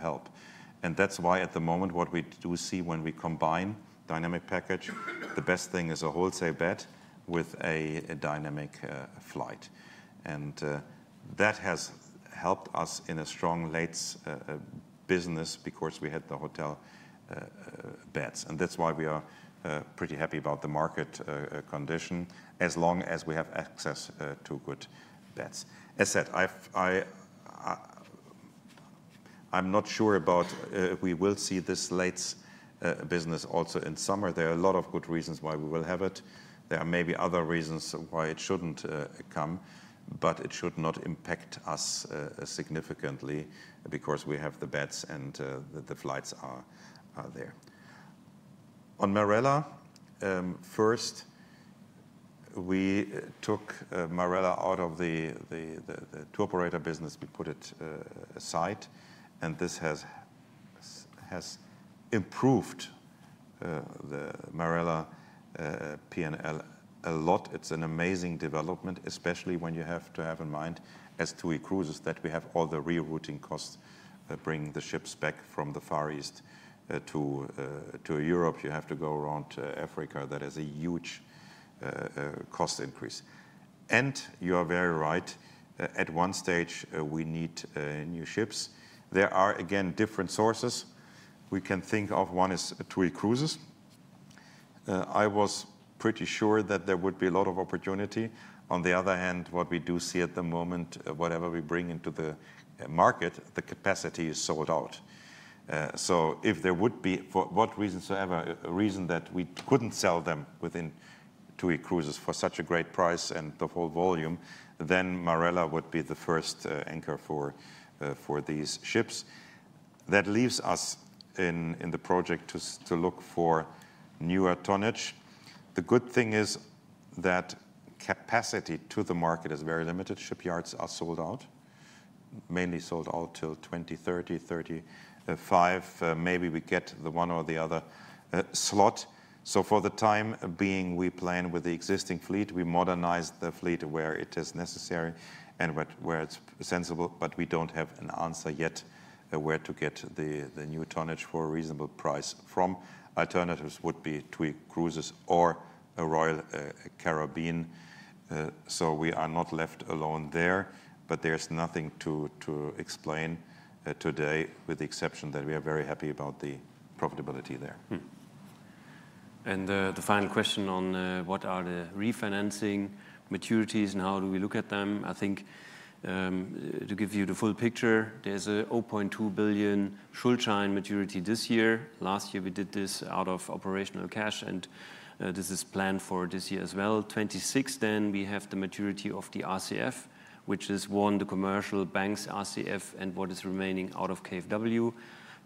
Speaker 2: help. And that's why at the moment, what we do see when we combine dynamic package, the best thing is a wholesale bed with a dynamic flight. And that has helped us in a strong lates business because we had the hotel beds. And that's why we are pretty happy about the market condition, as long as we have access to good beds. As said, I'm not sure about if we will see this lates business also in summer. There are a lot of good reasons why we will have it. There are maybe other reasons why it shouldn't come, but it should not impact us significantly, because we have the beds and the flights are there. On Marella, first, we took Marella out of the tour operator business. We put it aside, and this has improved the Marella P&L a lot. It's an amazing development, especially when you have to have in mind, as TUI Cruises, that we have all the re-routing costs bringing the ships back from the Far East to Europe. You have to go around to Africa. That is a huge cost increase. And you are very right, at one stage, we need new ships. There are, again, different sources. We can think of one is TUI Cruises. I was pretty sure that there would be a lot of opportunity. On the other hand, what we do see at the moment, whatever we bring into the market, the capacity is sold out. So if there would be, for what reason so ever, a reason that we couldn't sell them within TUI Cruises for such a great price and the whole volume, then Marella would be the first anchor for these ships. That leaves us in the project to look for newer tonnage. The good thing is that capacity to the market is very limited. Shipyards are sold out, mainly sold out till 2030, 2035. Maybe we get the one or the other slot. So for the time being, we plan with the existing fleet. We modernize the fleet where it is necessary and where it's sensible, but we don't have an answer yet, where to get the new tonnage for a reasonable price from. Alternatives would be TUI Cruises or a Royal Caribbean. So we are not left alone there, but there's nothing to explain today, with the exception that we are very happy about the profitability there.
Speaker 4: Mm.
Speaker 3: The final question on what are the refinancing maturities and how do we look at them? I think, to give you the full picture, there's a 0.2 billion Schuldschein maturity this year. Last year we did this out of operational cash, and, this is planned for this year as well. 2026, then we have the maturity of the RCF, which is, one, the commercial banks RCF and what is remaining out of KfW.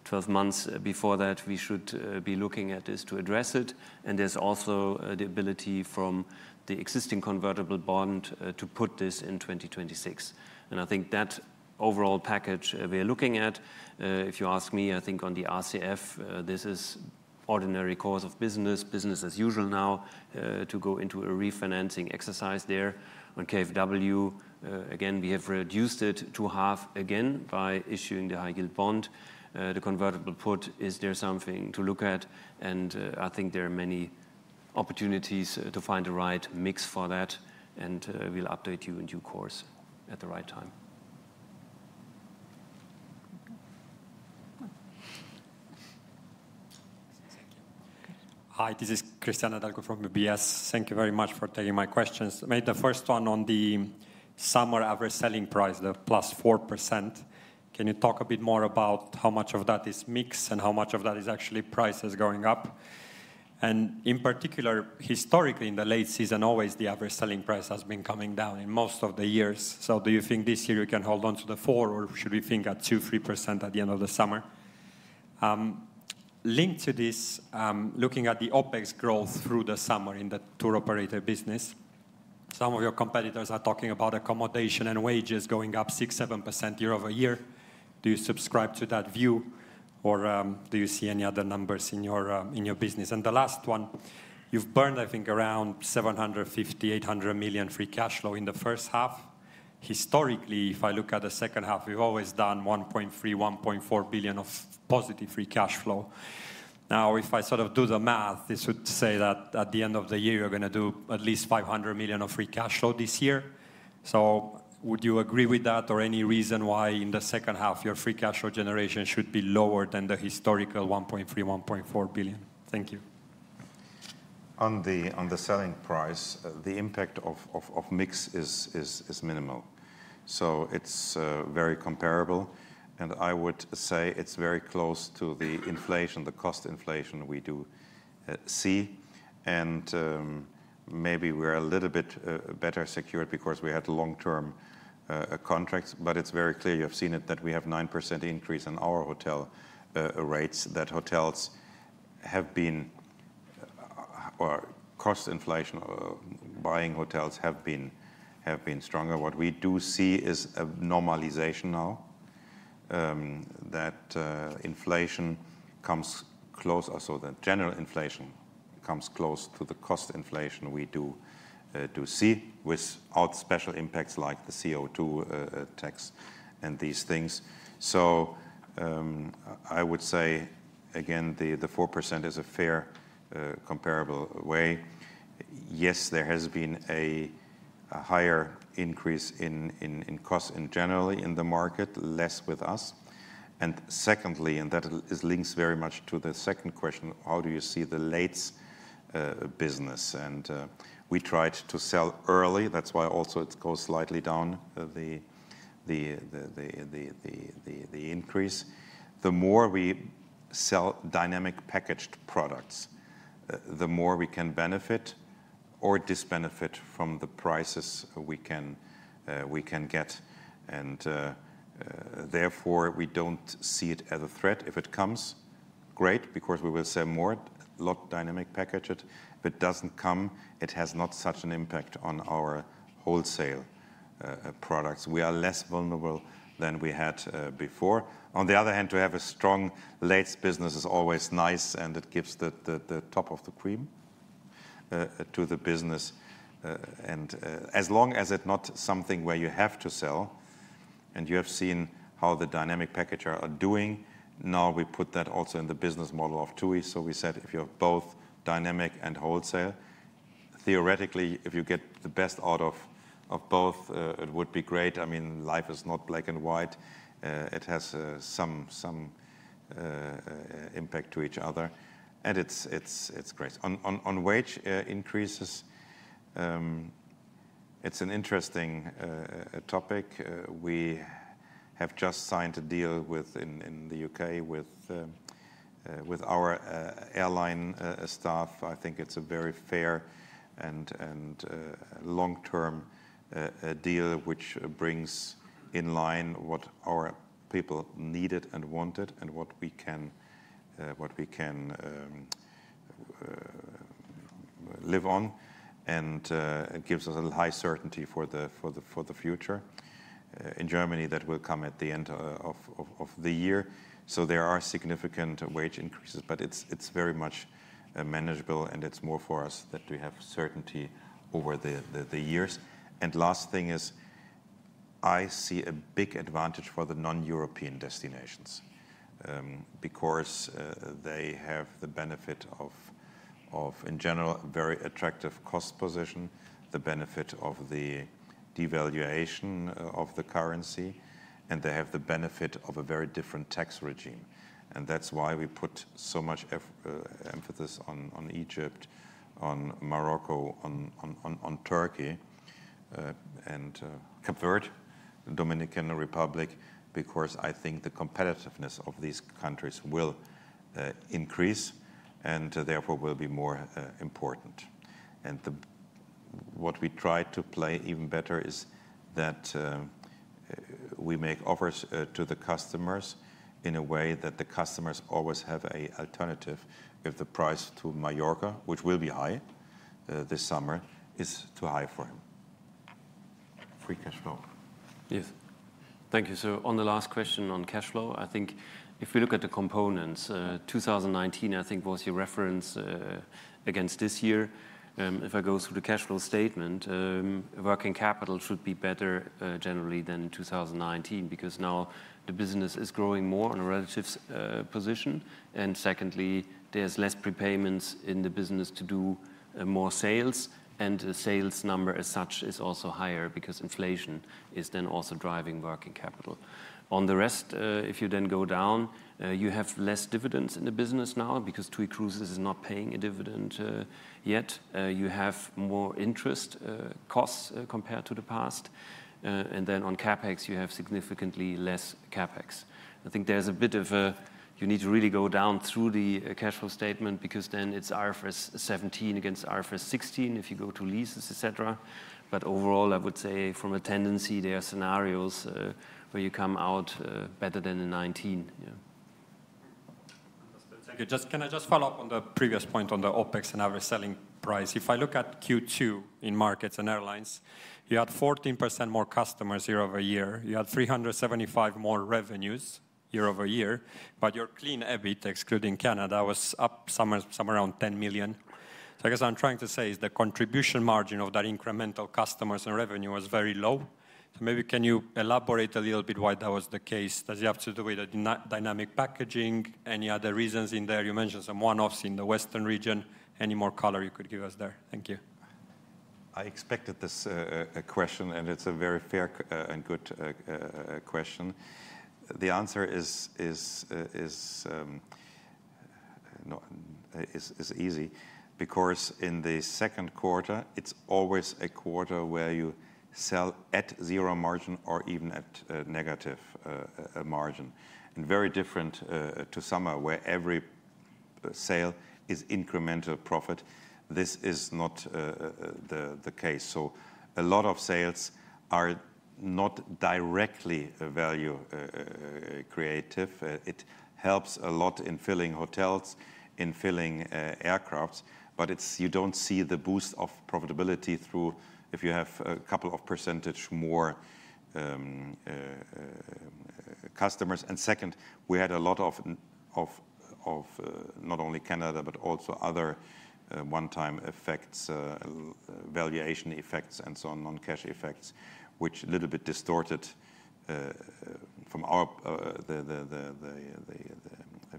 Speaker 3: 12 months before that, we should, be looking at this to address it, and there's also, the ability from the existing convertible bond, to put this in 2026. I think that overall package, we are looking at, if you ask me, I think on the RCF, this is ordinary course of business, business as usual now, to go into a refinancing exercise there. On KfW, again, we have reduced it to half again by issuing the high-yield bond. The convertible put is there something to look at, and, I think there are many opportunities, to find the right mix for that, and, we'll update you in due course at the right time.
Speaker 5: Hi, this is Cristian Nedelcu from UBS. Thank you very much for taking my questions. Maybe the first one on the summer average selling price, the +4%. Can you talk a bit more about how much of that is mix, and how much of that is actually prices going up? And in particular, historically, in the late season, always the average selling price has been coming down in most of the years. So do you think this year we can hold on to the 4%, or should we think at 2%-3% at the end of the summer?... Linked to this, looking at the OpEx growth through the summer in the tour operator business, some of your competitors are talking about accommodation and wages going up 6%-7% year-over-year. Do you subscribe to that view, or do you see any other numbers in your business? And the last one, you've burned, I think, around 750 million, 800 million free cash flow in the first half. Historically, if I look at the second half, you've always done 1.3 billion, 1.4 billion of positive free cash flow. Now, if I sort of do the math, this would say that at the end of the year, you're gonna do at least 500 million of free cash flow this year. Would you agree with that, or any reason why in the second half, your free cash flow generation should be lower than the historical 1.3 billion, 1.4 billion? Thank you.
Speaker 2: On the selling price, the impact of mix is minimal. So it's very comparable, and I would say it's very close to the inflation, the cost inflation we do see. And maybe we're a little bit better secured because we had long-term contracts. But it's very clear, you have seen it, that we have 9% increase in our hotel rates, that hotels have been stronger, or cost inflation, or buying hotels have been stronger. What we do see is a normalization now, that inflation comes close, or so the general inflation comes close to the cost inflation we do see, without special impacts, like the CO2 tax and these things. So I would say, again, the 4% is a fair comparable way. Yes, there has been a higher increase in costs generally in the market, less with us. And secondly, that links very much to the second question, how do you see the late business? And we tried to sell early, that's why also it goes slightly down, the increase. The more we sell dynamic packaging products, the more we can benefit or dis-benefit from the prices we can get. And therefore, we don't see it as a threat. If it comes, great, because we will sell more late dynamic packaging. If it doesn't come, it has not such an impact on our wholesale products. We are less vulnerable than we had before. On the other hand, to have a strong lates business is always nice, and it gives the top of the cream to the business. And as long as it's not something where you have to sell, and you have seen how the dynamic packagers are doing, now we put that also in the business model of TUI. So we said, if you're both dynamic and wholesale, theoretically, if you get the best out of both, it would be great. I mean, life is not black and white. It has some impact to each other, and it's great. On wage increases, it's an interesting topic. We have just signed a deal with, in the UK, with our airline staff. I think it's a very fair and long-term deal, which brings in line what our people needed and wanted, and what we can live on. And it gives us a high certainty for the future. In Germany, that will come at the end of the year. So there are significant wage increases, but it's very much manageable, and it's more for us that we have certainty over the years. And last thing is, I see a big advantage for the non-European destinations, because they have the benefit of, in general, a very attractive cost position, the benefit of the devaluation of the currency, and they have the benefit of a very different tax regime. That's why we put so much emphasis on Egypt, on Morocco, on Turkey, and the Dominican Republic, because I think the competitiveness of these countries will increase, and therefore, will be more important. What we try to play even better is that we make offers to the customers in a way that the customers always have a alternative if the price to Mallorca, which will be high this summer, is too high for him. Free cash flow.
Speaker 3: Yes. Thank you. So on the last question on cash flow, I think if you look at the components, 2019, I think, was your reference, against this year. If I go through the cash flow statement, working capital should be better, generally than 2019, because now the business is growing more on a relative, position. And secondly, there's less prepayments in the business to do, more sales, and the sales number as such is also higher because inflation is then also driving working capital. On the rest, if you then go down, you have less dividends in the business now because TUI Cruises is not paying a dividend, yet. You have more interest, costs, compared to the past. And then on CapEx, you have significantly less CapEx. I think there's a bit of a... You need to really go down through the cash flow statement, because then it's IFRS 17 against IFRS 16, if you go to leases, etc. But overall, I would say from a tendency, there are scenarios where you come out better than in 2019. Yeah....
Speaker 5: Thank you. Just, can I just follow up on the previous point on the OpEx and average selling price? If I look at Q2 in markets and airlines, you had 14% more customers year-over-year, you had 375% more revenues year-over-year, but your clean EBIT, excluding Canada, was up somewhere around 10 million. So I guess what I'm trying to say is the contribution margin of that incremental customers and revenue was very low. So maybe can you elaborate a little bit why that was the case? Does it have to do with the dynamic packaging? Any other reasons in there? You mentioned some one-offs in the Western region. Any more color you could give us there? Thank you.
Speaker 2: I expected this question, and it's a very fair and good question. The answer is easy, because in the second quarter, it's always a quarter where you sell at zero margin or even at a negative margin. And very different to summer, where every sale is incremental profit. This is not the case. So a lot of sales are not directly value creative. It helps a lot in filling hotels, in filling aircrafts, but it's you don't see the boost of profitability through if you have a couple of percentage more customers. And second, we had a lot of not only Canada, but also other one-time effects, valuation effects, and so on, non-cash effects, which a little bit distorted our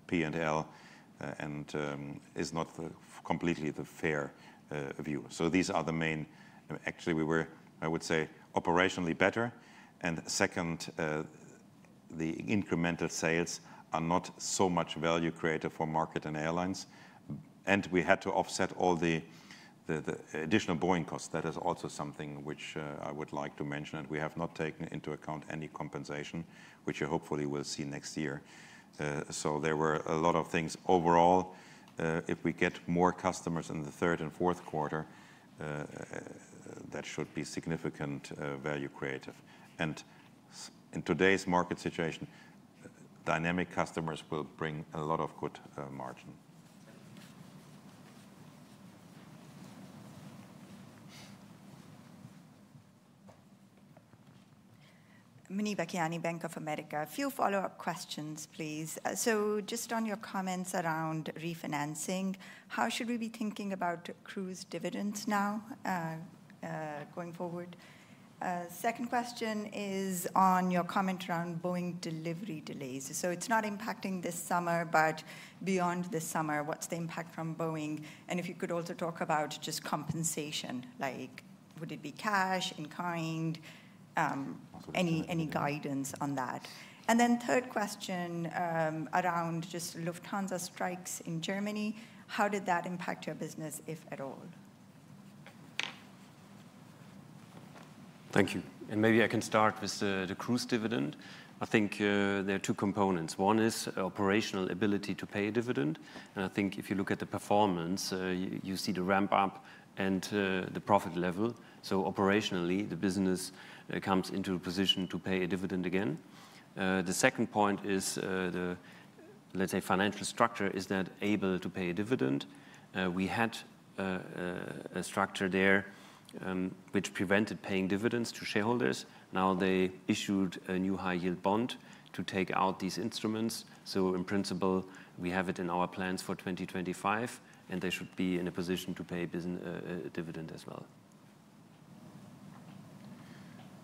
Speaker 2: P&L, and is not completely the fair view. So these are the main... Actually, we were, I would say, operationally better. Second, the incremental sales are not so much value creative for market and airlines, and we had to offset all the additional Boeing costs. That is also something which I would like to mention, and we have not taken into account any compensation, which you hopefully will see next year. So there were a lot of things. Overall, if we get more customers in the third and fourth quarter, that should be significant value creative. In today's market situation, dynamic customers will bring a lot of good margin.
Speaker 6: Muneeba Kayani, Bank of America. A few follow-up questions, please. So just on your comments around refinancing, how should we be thinking about cruise dividends now, going forward? Second question is on your comment around Boeing delivery delays. So it's not impacting this summer, but beyond this summer, what's the impact from Boeing? And if you could also talk about just compensation, like, would it be cash, in-kind? Any guidance on that. And then third question, around just Lufthansa strikes in Germany, how did that impact your business, if at all?
Speaker 3: Thank you. And maybe I can start with the cruise dividend. I think there are two components. One is operational ability to pay a dividend, and I think if you look at the performance, you see the ramp up and the profit level. So operationally, the business comes into a position to pay a dividend again. The second point is the, let's say, financial structure is not able to pay a dividend. We had a structure there which prevented paying dividends to shareholders. Now, they issued a new high-yield bond to take out these instruments. So in principle, we have it in our plans for 2025, and they should be in a position to pay dividend as well.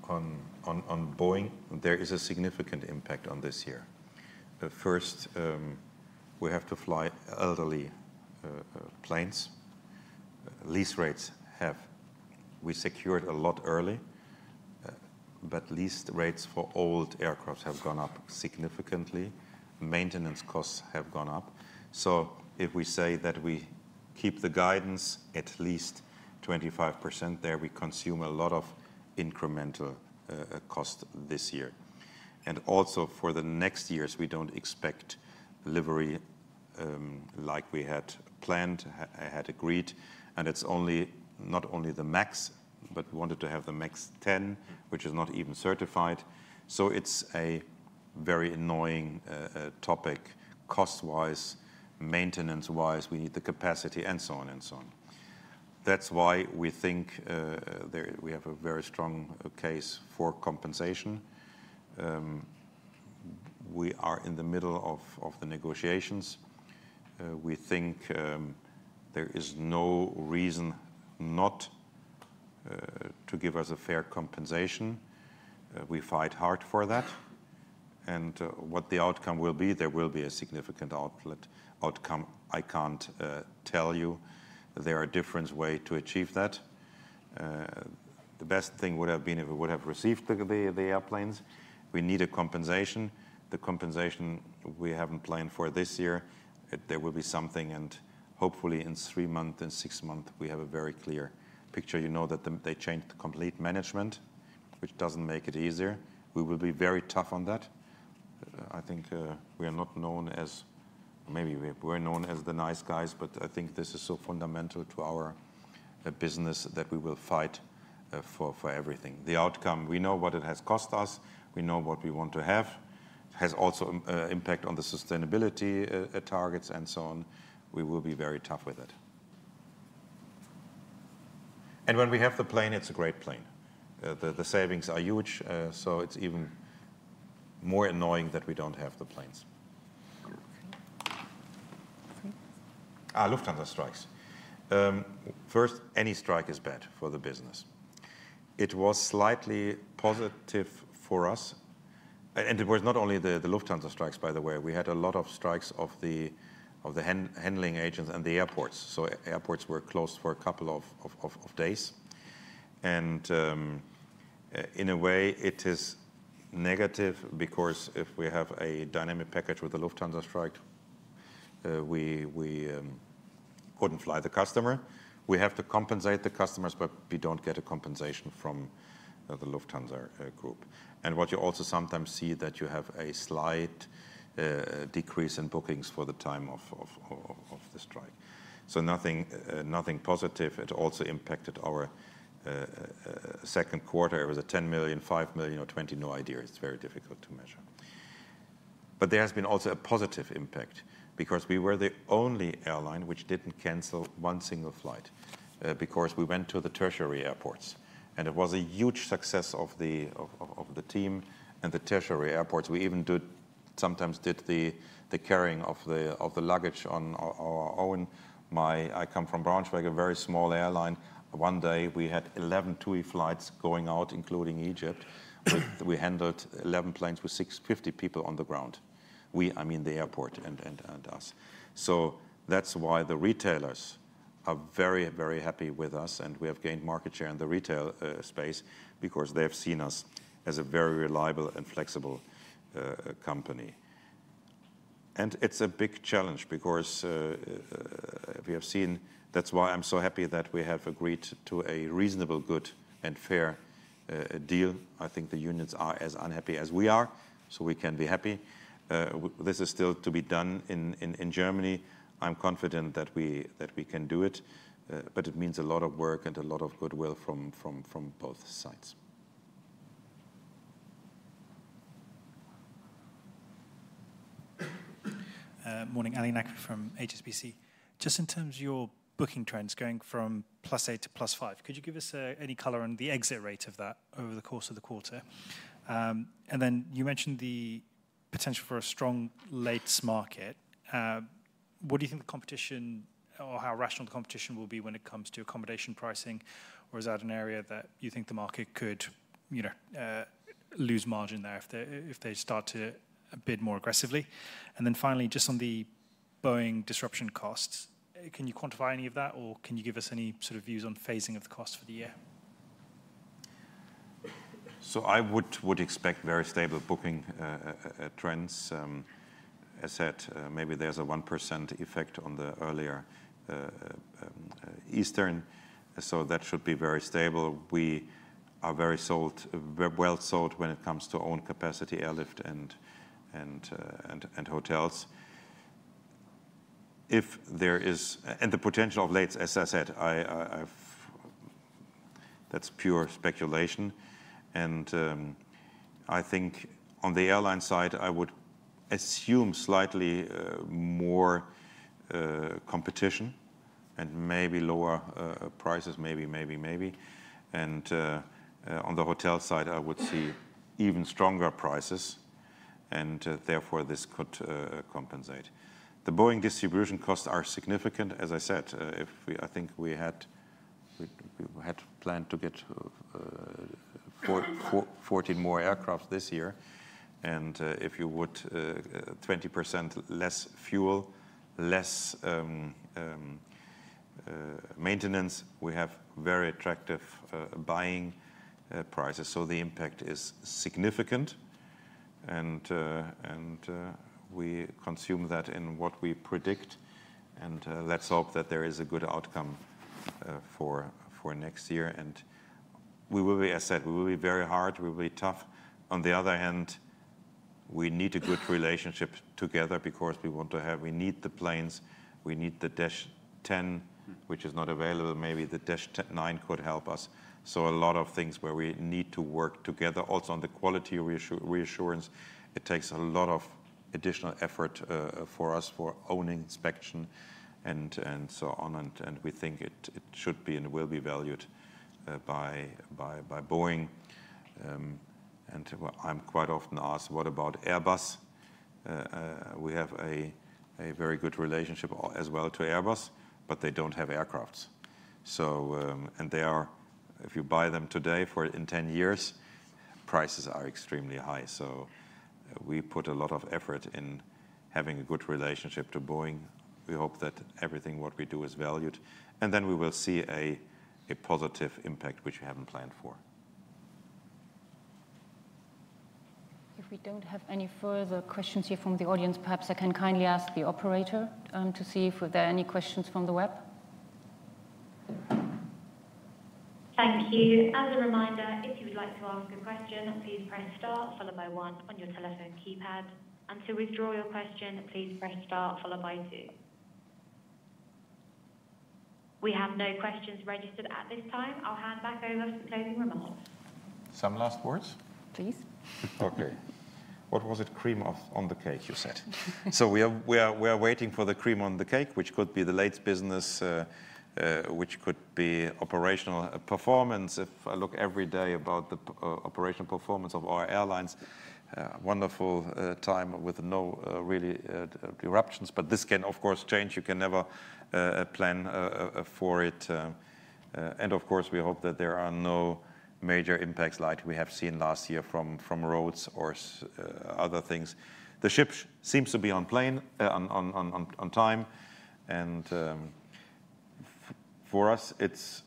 Speaker 2: On Boeing, there is a significant impact on this year. First, we have to fly elderly planes. Lease rates have—we secured a lot early, but lease rates for old aircraft have gone up significantly. Maintenance costs have gone up. So if we say that we keep the guidance at least 25% there, we consume a lot of incremental cost this year. And also, for the next years, we don't expect delivery like we had planned, had agreed. And it's only, not only the MAX, but we wanted to have the MAX 10, which is not even certified. So it's a very annoying topic cost-wise, maintenance-wise, we need the capacity, and so on and so on. That's why we think we have a very strong case for compensation. We are in the middle of the negotiations. We think there is no reason not to give us a fair compensation. We fight hard for that, and what the outcome will be, there will be a significant outcome, I can't tell you. There are different way to achieve that. The best thing would have been if we would have received the airplanes. We need a compensation. The compensation we haven't planned for this year, there will be something, and hopefully in 3 months, in 6 months, we have a very clear picture. You know, that they changed the complete management, which doesn't make it easier. We will be very tough on that. I think we are not known as... Maybe we were known as the nice guys, but I think this is so fundamental to our-... A business that we will fight for everything. The outcome, we know what it has cost us, we know what we want to have. It has also impact on the sustainability targets, and so on. We will be very tough with it. And when we have the plane, it's a great plane. The savings are huge, so it's even more annoying that we don't have the planes. Ah, Lufthansa strikes. First, any strike is bad for the business. It was slightly positive for us, and it was not only the Lufthansa strikes, by the way. We had a lot of strikes of the handling agents and the airports, so airports were closed for a couple of days. And in a way, it is negative because if we have a dynamic package with the Lufthansa strike, we couldn't fly the customer. We have to compensate the customers, but we don't get a compensation from the Lufthansa Group. And what you also sometimes see that you have a slight decrease in bookings for the time of the strike. So nothing positive. It also impacted our second quarter. It was 10 million, 5 million, or 20 million, no idea. It's very difficult to measure. But there has been also a positive impact because we were the only airline which didn't cancel one single flight, because we went to the tertiary airports, and it was a huge success of the team and the tertiary airports. We even sometimes did the carrying of the luggage on our own. I come from Braunschweig, a very small airline. One day we had 11 TUI flights going out, including Egypt. We handled 11 planes with 650 people on the ground. We-- I mean, the airport and us. So that's why the retailers are very, very happy with us, and we have gained market share in the retail space because they have seen us as a very reliable and flexible company. And it's a big challenge because... That's why I'm so happy that we have agreed to a reasonable, good, and fair deal. I think the unions are as unhappy as we are, so we can be happy. This is still to be done in Germany. I'm confident that we can do it, but it means a lot of work and a lot of goodwill from both sides.
Speaker 7: Morning. Ali Naqvi from HSBC. Just in terms of your booking trends going from +8% to +5%, could you give us any color on the exit rate of that over the course of the quarter? And then you mentioned the potential for a strong late market. What do you think the competition or how rational the competition will be when it comes to accommodation pricing? Or is that an area that you think the market could, you know, lose margin there if they, if they start to bid more aggressively? And then finally, just on the Boeing disruption costs, can you quantify any of that, or can you give us any sort of views on phasing of the cost for the year?
Speaker 2: So I would expect very stable booking trends. As I said, maybe there's a 1% effect on the earlier Eastern, so that should be very stable. We are very sold, very well sold when it comes to own capacity, airlift and hotels. And the potential of lates, as I said, that's pure speculation, and I think on the airline side, I would assume slightly more competition and maybe lower prices. Maybe, maybe, maybe. And on the hotel side, I would see even stronger prices, and therefore, this could compensate. The Boeing distribution costs are significant. As I said, if we—I think we had planned to get 14 more aircraft this year, and if you would 20% less fuel, less maintenance. We have very attractive buying prices, so the impact is significant, and we consume that in what we predict, and let's hope that there is a good outcome for next year. And we will be, as I said, we will be very hard, we will be tough. On the other hand, we need a good relationship together because we want to have, we need the planes, we need the Dash 10-... which is not available. Maybe the Dash 9 could help us. So a lot of things where we need to work together. Also, on the quality reassurance, it takes a lot of additional effort for us for own inspection and so on. And we think it should be and will be valued by Boeing. Well, I'm quite often asked: "What about Airbus?" We have a very good relationship as well to Airbus, but they don't have aircrafts. So, and they are— If you buy them today, for in 10 years, prices are extremely high. So we put a lot of effort in having a good relationship to Boeing. We hope that everything what we do is valued, and then we will see a positive impact, which we haven't planned for.
Speaker 1: If we don't have any further questions here from the audience, perhaps I can kindly ask the operator to see if there are any questions from the web.
Speaker 8: Thank you. As a reminder, if you would like to ask a question, please press Star followed by One on your telephone keypad, and to withdraw your question, please press Star followed by Two. We have no questions registered at this time. I'll hand back over for closing remarks.
Speaker 2: Some last words?
Speaker 1: Please.
Speaker 2: Okay. What was it? Cream on the cake, you said. So we are waiting for the cream on the cake, which could be the lates business, which could be operational performance. If I look every day about the operational performance of our airlines, wonderful time with no really eruptions. But this can, of course, change. You can never plan for it. And of course, we hope that there are no major impacts like we have seen last year from roads or other things. The ship seems to be on plan, on time, and for us, it's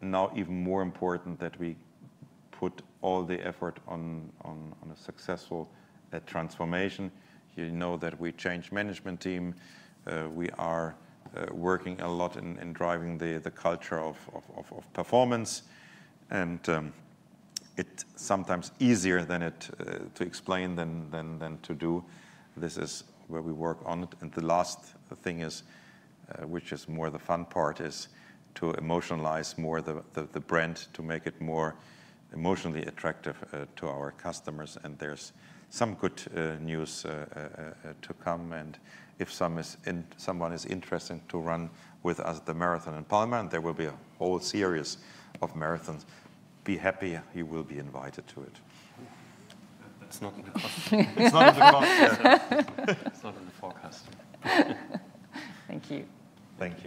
Speaker 2: now even more important that we put all the effort on a successful transformation. You know that we changed management team. We are working a lot in driving the culture of performance, and it's sometimes easier than it to explain than to do. This is where we work on it. And the last thing is, which is more the fun part, is to emotionalize more the brand, to make it more emotionally attractive to our customers. And there's some good to come. And if someone is interested to run with us, the marathon in Palma, and there will be a whole series of marathons, be happy, you will be invited to it.
Speaker 3: That's not in the cost.
Speaker 2: It's not in the cost yet.
Speaker 3: It's not in the forecast.
Speaker 1: Thank you.
Speaker 2: Thank you.